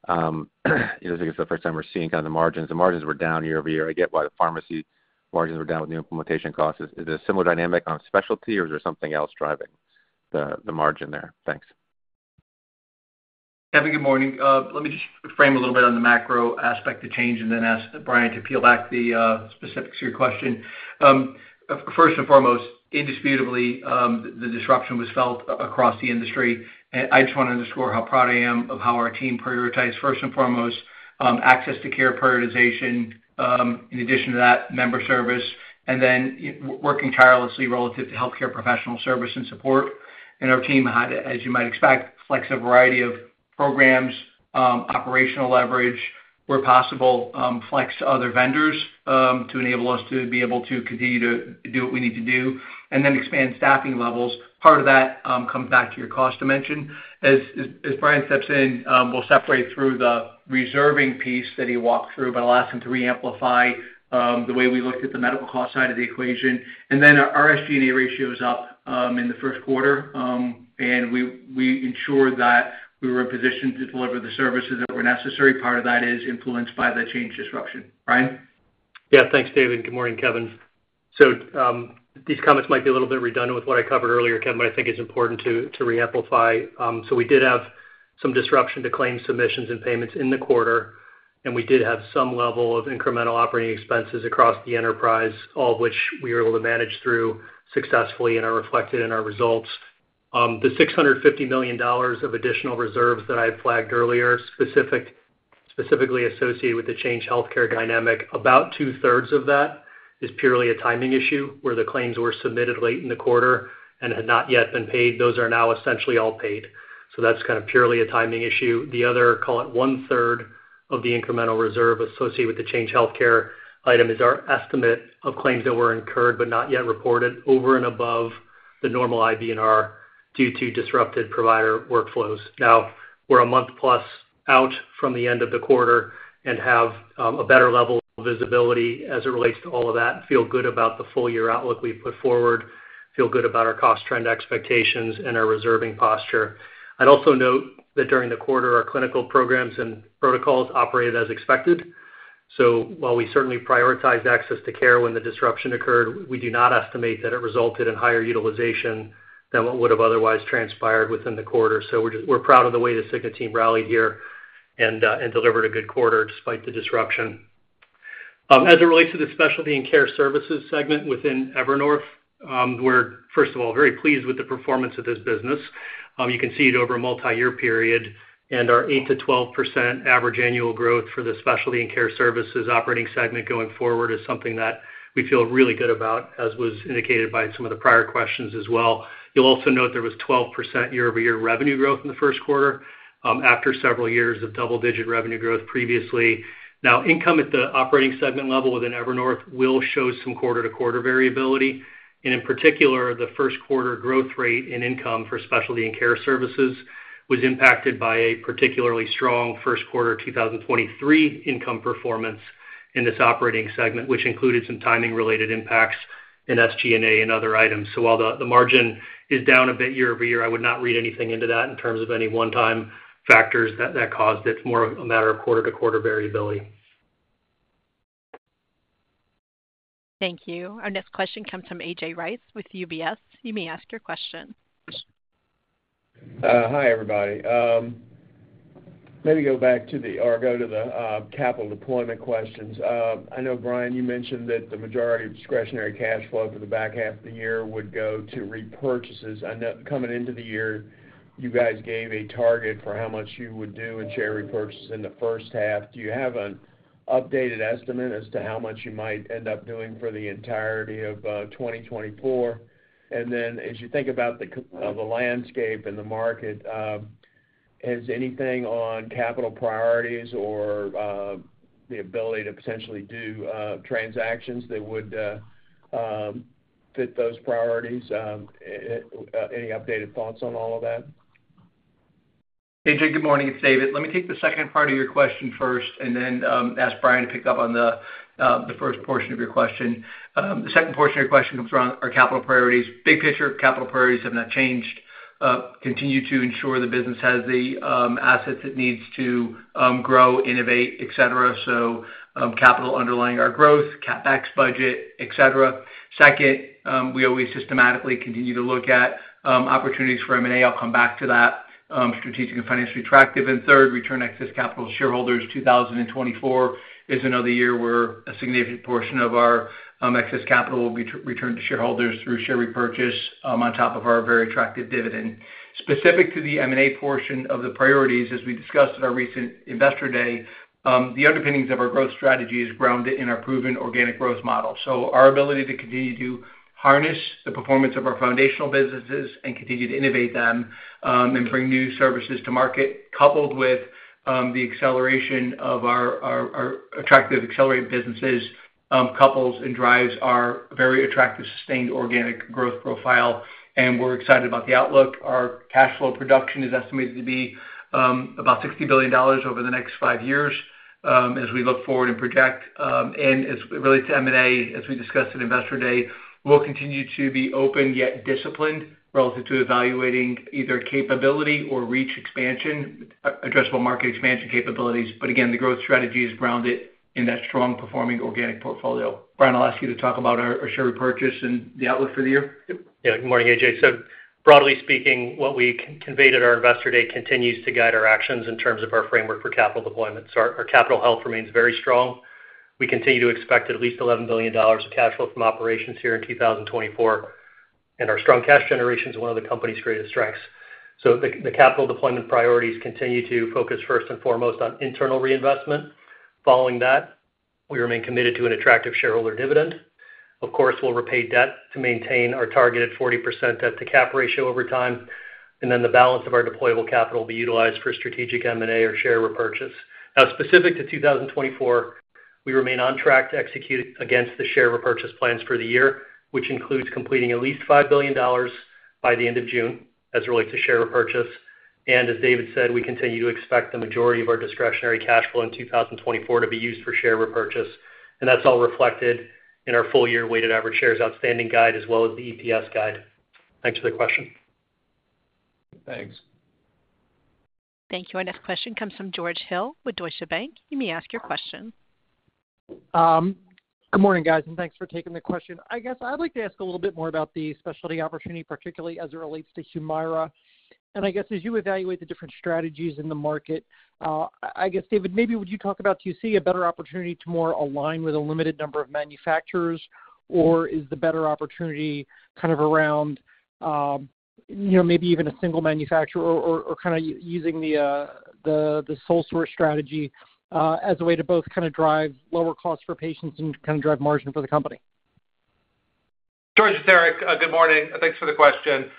This is, I guess, the first time we're seeing kind of the margins. The margins were down year-over-year. I get why the pharmacy margins were down with new implementation costs. Is there a similar dynamic on specialty, or is there something else driving the margin there? Thanks. Kevin, good morning. Let me just frame a little bit on the macro aspect of Change and then ask Brian to peel back the specifics to your question. First and foremost, indisputably, the disruption was felt across the industry. I just want to underscore how proud I am of how our team prioritizes, first and foremost, access to care prioritization, in addition to that, member service, and then working tirelessly relative to healthcare professional service and support. Our team had, as you might expect, a flexible variety of programs, operational leverage, where possible, flex to other vendors to enable us to be able to continue to do what we need to do, and then expand staffing levels. Part of that comes back to your cost dimension. As Brian steps in, we'll separate through the reserving piece that he walked through, but I'll ask him to re-amplify the way we looked at the medical cost side of the equation. Then our SG&A ratio is up in the first quarter, and we ensured that we were in position to deliver the services that were necessary. Part of that is influenced by the Change disruption. Brian? Yeah, thanks, David. Good morning, Kevin. So these comments might be a little bit redundant with what I covered earlier, Kevin, but I think it's important to re-amplify. So we did have some disruption to claim submissions and payments in the quarter, and we did have some level of incremental operating expenses across the enterprise, all of which we were able to manage through successfully, and are reflected in our results. The $650 million of additional reserves that I flagged earlier, specifically associated with the Change Healthcare dynamic, about two-thirds of that is purely a timing issue where the claims were submitted late in the quarter and had not yet been paid. Those are now essentially all paid. So that's kind of purely a timing issue. The other, call it one-third, of the incremental reserve associated with the Change Healthcare item is our estimate of claims that were incurred but not yet reported over and above the normal IBNR due to disrupted provider workflows. Now, we're a month-plus out from the end of the quarter and have a better level of visibility as it relates to all of that, feel good about the full-year outlook we've put forward, feel good about our cost trend expectations, and our reserving posture. I'd also note that during the quarter, our clinical programs and protocols operated as expected. So while we certainly prioritized access to care when the disruption occurred, we do not estimate that it resulted in higher utilization than what would have otherwise transpired within the quarter. So we're proud of the way the Cigna team rallied here and delivered a good quarter despite the disruption. As it relates to the Specialty and Care Services segment within Evernorth, we're, first of all, very pleased with the performance of this business. You can see it over a multi-year period. Our 8%-12% average annual growth for the Specialty and Care Services operating segment going forward is something that we feel really good about, as was indicated by some of the prior questions as well. You'll also note there was 12% year-over-year revenue growth in the first quarter after several years of double-digit revenue growth previously. Now, income at the operating segment level within Evernorth will show some quarter-to-quarter variability. In particular, the first quarter growth rate in income for Specialty and Care Services was impacted by a particularly strong first quarter 2023 income performance in this operating segment, which included some timing-related impacts in SG&A and other items. So while the margin is down a bit year-over-year, I would not read anything into that in terms of any one-time factors that caused it. It's more a matter of quarter-to-quarter variability. Thank you. Our next question comes from A.J. Rice with UBS. You may ask your question. Hi, everybody. Maybe go back to the capital deployment questions. I know, Brian, you mentioned that the majority of discretionary cash flow for the back half of the year would go to repurchases. Coming into the year, you guys gave a target for how much you would do in share repurchase in the first half. Do you have an updated estimate as to how much you might end up doing for the entirety of 2024? And then as you think about the landscape and the market, is anything on capital priorities or the ability to potentially do transactions that would fit those priorities? Any updated thoughts on all of that? A.J., good morning. It's David. Let me take the second part of your question first and then ask Brian to pick up on the first portion of your question. The second portion of your question comes around our capital priorities. Big picture, capital priorities have not changed, continue to ensure the business has the assets it needs to grow, innovate, etc. So capital underlying our growth, CapEx budget, etc. Second, we always systematically continue to look at opportunities for M&A. I'll come back to that, strategic and financially attractive. And third, return excess capital to shareholders. 2024 is another year where a significant portion of our excess capital will be returned to shareholders through share repurchase on top of our very attractive dividend. Specific to the M&A portion of the priorities, as we discussed at our recent Investor Day, the underpinnings of our growth strategy is grounded in our proven organic growth model. So our ability to continue to harness the performance of our Foundational businesses and continue to innovate them and bring new services to market, coupled with the acceleration of our attractive Accelerate businesses, couples and drives our very attractive sustained organic growth profile. And we're excited about the outlook. Our cash flow production is estimated to be about $60 billion over the next five years as we look forward and project. And as it relates to M&A, as we discussed at Investor Day, we'll continue to be open yet disciplined relative to evaluating either capability or reach expansion, addressable market expansion capabilities. But again, the growth strategy is grounded in that strong performing organic portfolio. Brian, I'll ask you to talk about our share repurchase and the outlook for the year. Yeah, good morning, A.J. So broadly speaking, what we conveyed at our Investor Day continues to guide our actions in terms of our framework for capital deployment. So our capital health remains very strong. We continue to expect at least $11 billion of cash flow from operations here in 2024. And our strong cash generation is one of the company's greatest strengths. So the capital deployment priorities continue to focus first and foremost on internal reinvestment. Following that, we remain committed to an attractive shareholder dividend. Of course, we'll repay debt to maintain our targeted 40% debt-to-capitalization ratio over time. And then the balance of our deployable capital will be utilized for strategic M&A or share repurchase. Now, specific to 2024, we remain on track to execute against the share repurchase plans for the year, which includes completing at least $5 billion by the end of June as it relates to share repurchase. And as David said, we continue to expect the majority of our discretionary cash flow in 2024 to be used for share repurchase. And that's all reflected in our full-year weighted average shares outstanding guide as well as the EPS guide. Thanks for the question. Thanks. Thank you. Our next question comes from George Hill with Deutsche Bank. You may ask your question. Good morning, guys, and thanks for taking the question. I guess I'd like to ask a little bit more about the specialty opportunity, particularly as it relates to Humira. I guess as you evaluate the different strategies in the market, I guess, David, maybe would you talk about do you see a better opportunity to more align with a limited number of manufacturers, or is the better opportunity kind of around maybe even a single manufacturer or kind of using the sole source strategy as a way to both kind of drive lower costs for patients and kind of drive margin for the company? George it's Eric, good morning. Thanks for the question.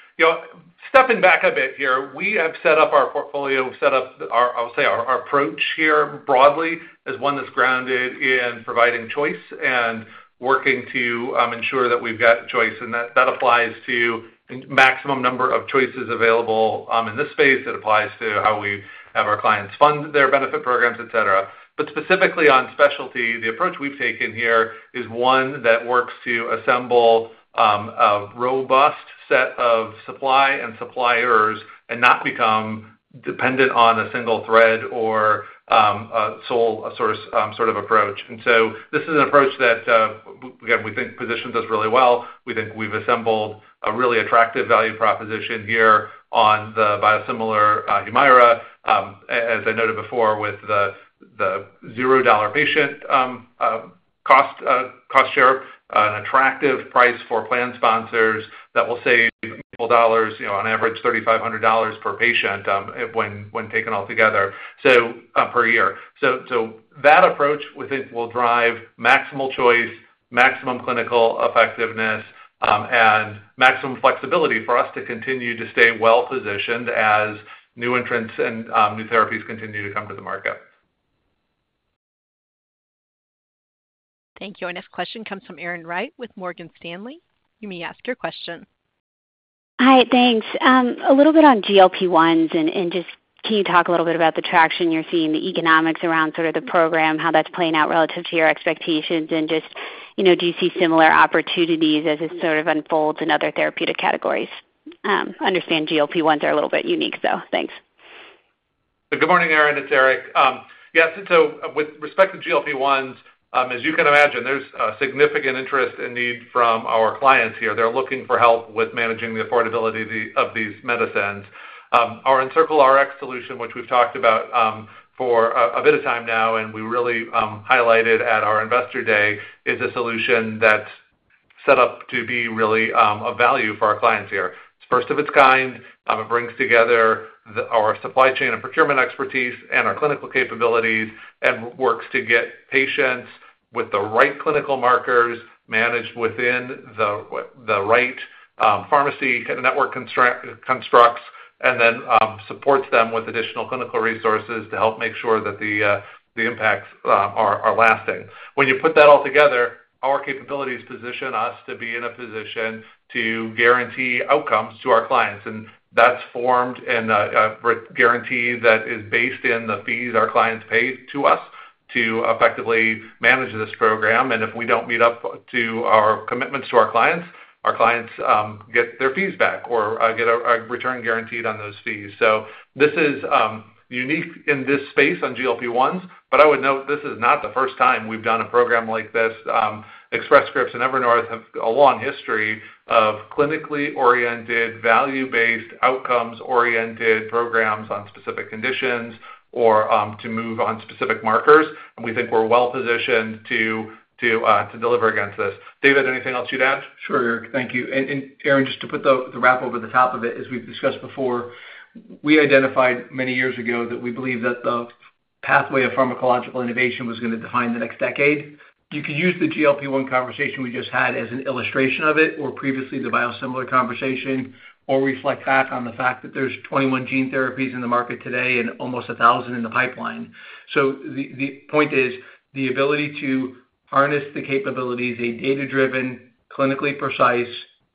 Stepping back a bit here, we have set up our portfolio. We've set up, I would say, our approach here broadly as one that's grounded in providing choice and working to ensure that we've got choice. And that applies to the maximum number of choices available in this space. It applies to how we have our clients fund their benefit programs, etc. But specifically on specialty, the approach we've taken here is one that works to assemble a robust set of supply and suppliers and not become dependent on a single thread or a sole source sort of approach. And so this is an approach that, again, we think positions us really well. We think we've assembled a really attractive value proposition here on the biosimilar Humira, as I noted before, with the $0 patient cost share, an attractive price for plan sponsors that will save multiple dollars, on average, $3,500 per patient when taken altogether, so per year. So that approach, we think, will drive maximal choice, maximum clinical effectiveness, and maximum flexibility for us to continue to stay well-positioned as new entrants and new therapies continue to come to the market. Thank you. Our next question comes from Erin Wright with Morgan Stanley. You may ask your question. Hi, thanks. A little bit on GLP-1s, and just can you talk a little bit about the traction you're seeing, the economics around sort of the program, how that's playing out relative to your expectations? And just do you see similar opportunities as this sort of unfolds in other therapeutic categories? I understand GLP-1s are a little bit unique, so thanks. Good morning, Erin. It's Eric. Yes, and so with respect to GLP-1s, as you can imagine, there's significant interest and need from our clients here. They're looking for help with managing the affordability of these medicines. Our EncircleRx solution, which we've talked about for a bit of time now and we really highlighted at our Investor Day, is a solution that's set up to be really of value for our clients here. It's first of its kind. It brings together our supply chain and procurement expertise and our clinical capabilities and works to get patients with the right clinical markers managed within the right pharmacy kind of network constructs and then supports them with additional clinical resources to help make sure that the impacts are lasting. When you put that all together, our capabilities position us to be in a position to guarantee outcomes to our clients. That's formed in a guarantee that is based in the fees our clients pay to us to effectively manage this program. If we don't meet up to our commitments to our clients, our clients get their fees back or get a return guaranteed on those fees. This is unique in this space on GLP-1s, but I would note this is not the first time we've done a program like this. Express Scripts and Evernorth have a long history of clinically oriented, value-based, outcomes-oriented programs on specific conditions or to move on specific markers. We think we're well-positioned to deliver against this. David, anything else you'd add? Sure, Eric. Thank you. And Erin, just to put the wrap over the top of it, as we've discussed before, we identified many years ago that we believe that the pathway of pharmacological innovation was going to define the next decade. You could use the GLP-1 conversation we just had as an illustration of it or previously the biosimilar conversation or reflect back on the fact that there's 21 gene therapies in the market today and almost 1,000 in the pipeline. So the point is the ability to harness the capabilities, a data-driven, clinically precise,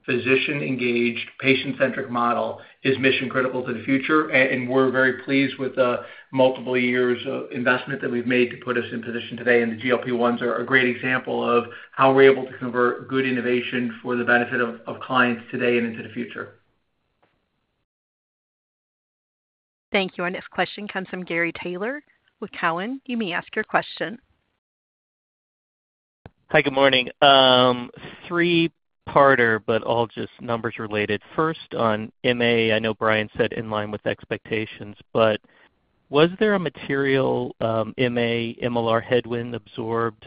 physician-engaged, patient-centric model is mission-critical to the future. And we're very pleased with the multiple years of investment that we've made to put us in position today. And the GLP-1s are a great example of how we're able to convert good innovation for the benefit of clients today and into the future. Thank you. Our next question comes from Gary Taylor with Cowen. You may ask your question. Hi, good morning. 3-parter, but all just numbers related. First, on MA, I know Brian said in line with expectations, but was there a material MA, MLR headwind absorbed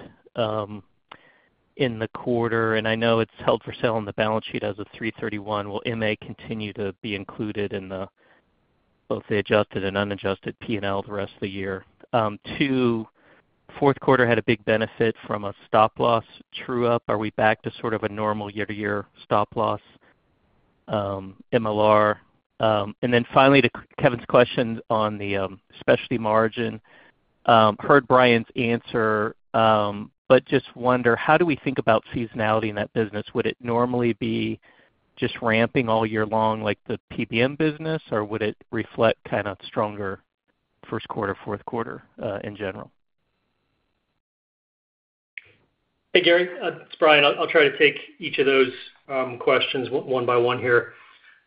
in the quarter? And I know it's held for sale on the balance sheet as of 3/31. Will MA continue to be included in both the adjusted and unadjusted P&L the rest of the year? Two, fourth quarter had a big benefit from a stop-loss true-up. Are we back to sort of a normal year-to-year stop-loss MLR? And then finally, to Kevin's question on the specialty margin, heard Brian's answer, but just wonder, how do we think about seasonality in that business? Would it normally be just ramping all year long like the PBM business, or would it reflect kind of stronger first quarter, fourth quarter in general? Hey, Gary. It's Brian. I'll try to take each of those questions one by one here.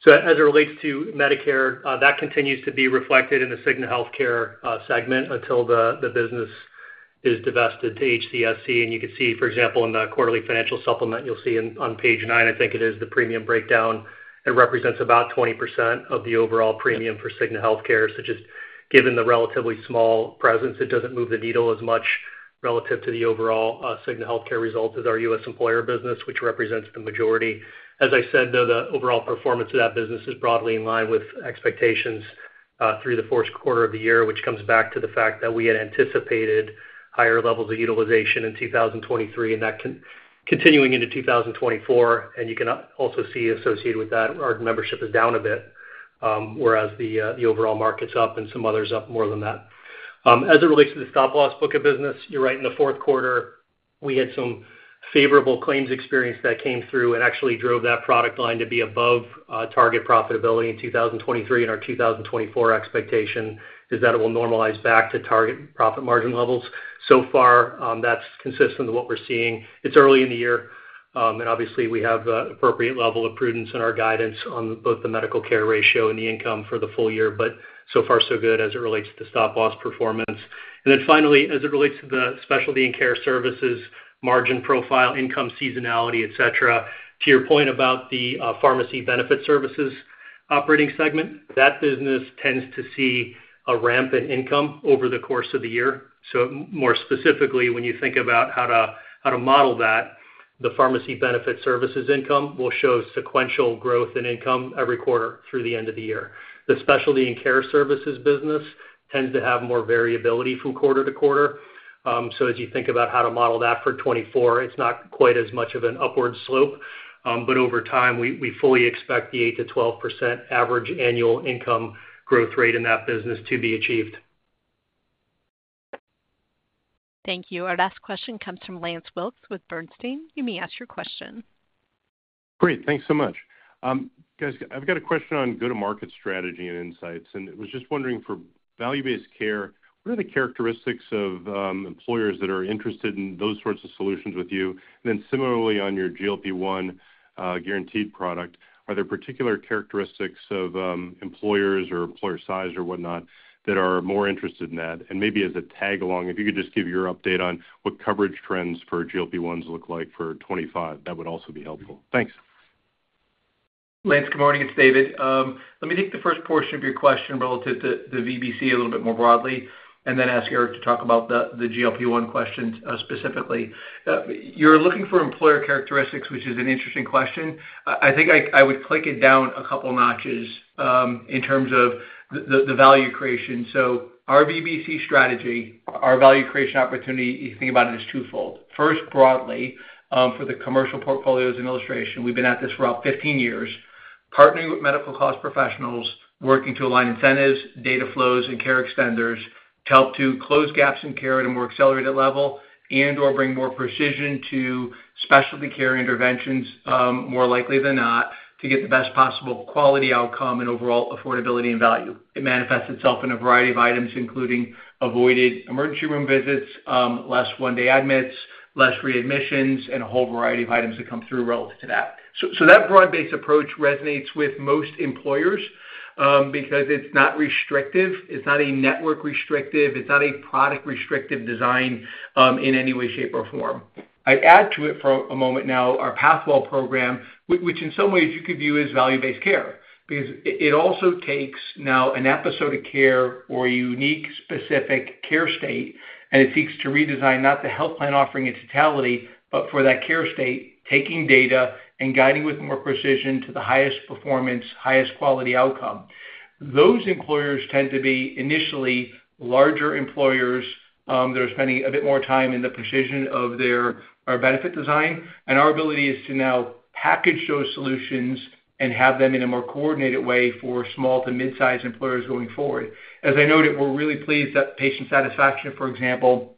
So as it relates to Medicare, that continues to be reflected in the Cigna Healthcare segment until the business is divested to HCSC. And you could see, for example, in the quarterly financial supplement, you'll see on page nine, I think it is the premium breakdown. It represents about 20% of the overall premium for Cigna Healthcare. So just given the relatively small presence, it doesn't move the needle as much relative to the overall Cigna Healthcare results as our U.S. employer business, which represents the majority. As I said, though, the overall performance of that business is broadly in line with expectations through the fourth quarter of the year, which comes back to the fact that we had anticipated higher levels of utilization in 2023 and that continuing into 2024. You can also see associated with that, our membership is down a bit, whereas the overall market's up and some others up more than that. As it relates to the stop-loss book of business, you're right, in the fourth quarter, we had some favorable claims experience that came through and actually drove that product line to be above target profitability in 2023. Our 2024 expectation is that it will normalize back to target profit margin levels. So far, that's consistent with what we're seeing. It's early in the year. Obviously, we have an appropriate level of prudence in our guidance on both the Medical Care Ratio and the income for the full year, but so far, so good as it relates to the stop-loss performance. Finally, as it relates to the Specialty and Care Services, margin profile, income seasonality, etc., to your point about the Pharmacy Benefit Services operating segment, that business tends to see a ramp in income over the course of the year. More specifically, when you think about how to model that, the Pharmacy Benefit Services income will show sequential growth in income every quarter through the end of the year. The Specialty and Care Services business tends to have more variability from quarter to quarter. As you think about how to model that for 2024, it's not quite as much of an upward slope. But over time, we fully expect the 8%-12% average annual income growth rate in that business to be achieved. Thank you. Our last question comes from Lance Wilkes with Bernstein. You may ask your question. Great. Thanks so much. Guys, I've got a question on go-to-market strategy and insights. And I was just wondering for value-based care, what are the characteristics of employers that are interested in those sorts of solutions with you? And then similarly, on your GLP-1 guaranteed product, are there particular characteristics of employers or employer size or whatnot that are more interested in that? And maybe as a tag-along, if you could just give your update on what coverage trends for GLP-1s look like for 2025, that would also be helpful. Thanks. Lance, good morning. It's David. Let me take the first portion of your question relative to the VBC a little bit more broadly and then ask Eric to talk about the GLP-1 question specifically. You're looking for employer characteristics, which is an interesting question. I think I would click it down a couple notches in terms of the value creation. So our VBC strategy, our value creation opportunity, you think about it as twofold. First, broadly, for the commercial portfolio's illustration, we've been at this for about 15 years, partnering with medical cost professionals, working to align incentives, data flows, and care extenders to help to close gaps in care at a more accelerated level and/or bring more precision to specialty care interventions, more likely than not, to get the best possible quality outcome and overall affordability and value. It manifests itself in a variety of items, including avoided emergency room visits, less one-day admits, less readmissions, and a whole variety of items that come through relative to that. So that broad-based approach resonates with most employers because it's not restrictive. It's not a network-restrictive. It's not a product-restrictive design in any way, shape, or form. I'd add to it for a moment now our Pathwell program, which in some ways you could view as value-based care because it also takes now an episode of care or a unique specific care state, and it seeks to redesign not the health plan offering in totality, but for that care state, taking data and guiding with more precision to the highest performance, highest quality outcome. Those employers tend to be initially larger employers that are spending a bit more time in the precision of their benefit design. Our ability is to now package those solutions and have them in a more coordinated way for small to midsize employers going forward. As I noted, we're really pleased that patient satisfaction, for example,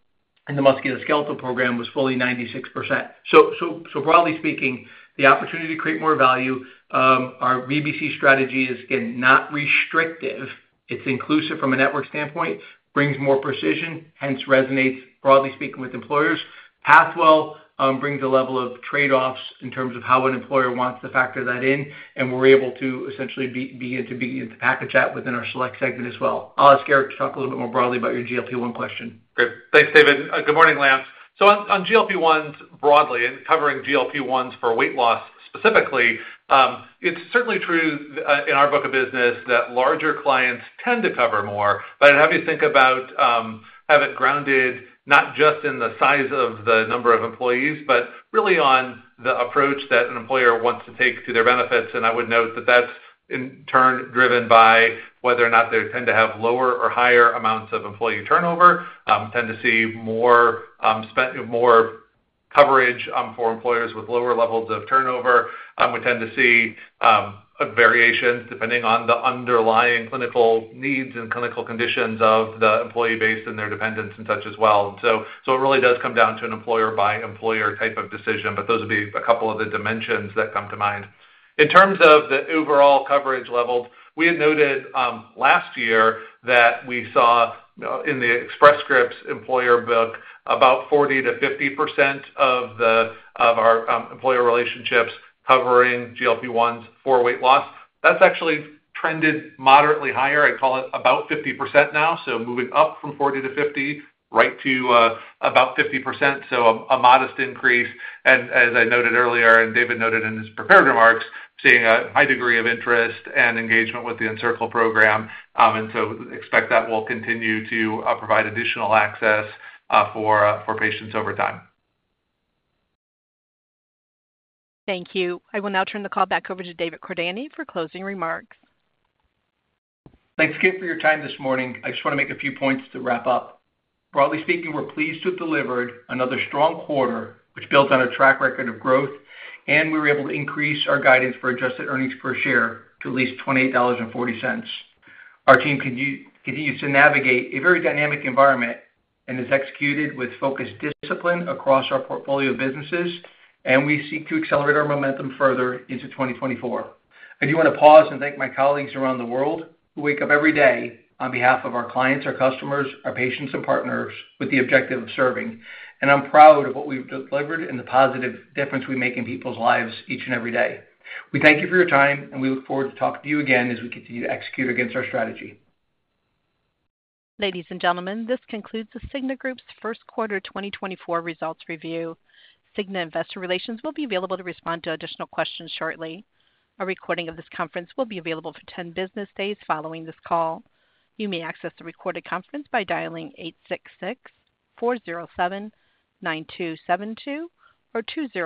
in the musculoskeletal program was fully 96%. So broadly speaking, the opportunity to create more value, our VBC strategy is, again, not restrictive. It's inclusive from a network standpoint, brings more precision, hence resonates, broadly speaking, with employers. Pathwell brings a level of trade-offs in terms of how an employer wants to factor that in. And we're able to essentially begin to package that within our Select segment as well. I'll ask Eric to talk a little bit more broadly about your GLP-1 question. Great. Thanks, David. Good morning, Lance. So on GLP-1s broadly and covering GLP-1s for weight loss specifically, it's certainly true in our book of business that larger clients tend to cover more. But I'd have you think about have it grounded not just in the size of the number of employees, but really on the approach that an employer wants to take to their benefits. And I would note that that's, in turn, driven by whether or not they tend to have lower or higher amounts of employee turnover. We tend to see more coverage for employers with lower levels of turnover. We tend to see variations depending on the underlying clinical needs and clinical conditions of the employee base and their dependents and such as well. And so it really does come down to an employer-by-employer type of decision. But those would be a couple of the dimensions that come to mind. In terms of the overall coverage levels, we had noted last year that we saw in the Express Scripts employer book about 40%-50% of our employer relationships covering GLP-1s for weight loss. That's actually trended moderately higher. I'd call it about 50% now, so moving up from 40%-50% right to about 50%, so a modest increase. And as I noted earlier and David noted in his prepared remarks, seeing a high degree of interest and engagement with the EncircleRx program. And so expect that will continue to provide additional access for patients over time. Thank you. I will now turn the call back over to David Cordani for closing remarks. Thanks, Gary, for your time this morning. I just want to make a few points to wrap up. Broadly speaking, we're pleased to have delivered another strong quarter, which builds on our track record of growth. We were able to increase our guidance for adjusted earnings per share to at least $28.40. Our team continues to navigate a very dynamic environment and is executed with focused discipline across our portfolio of businesses. We seek to accelerate our momentum further into 2024. I do want to pause and thank my colleagues around the world who wake up every day on behalf of our clients, our customers, our patients, and partners with the objective of serving. I'm proud of what we've delivered and the positive difference we make in people's lives each and every day. We thank you for your time, and we look forward to talking to you again as we continue to execute against our strategy. Ladies and gentlemen, this concludes The Cigna Group's first quarter 2024 results review. Cigna Investor Relations will be available to respond to additional questions shortly. A recording of this conference will be available for 10 business days following this call. You may access the recorded conference by dialing 866-407-9272 or 20.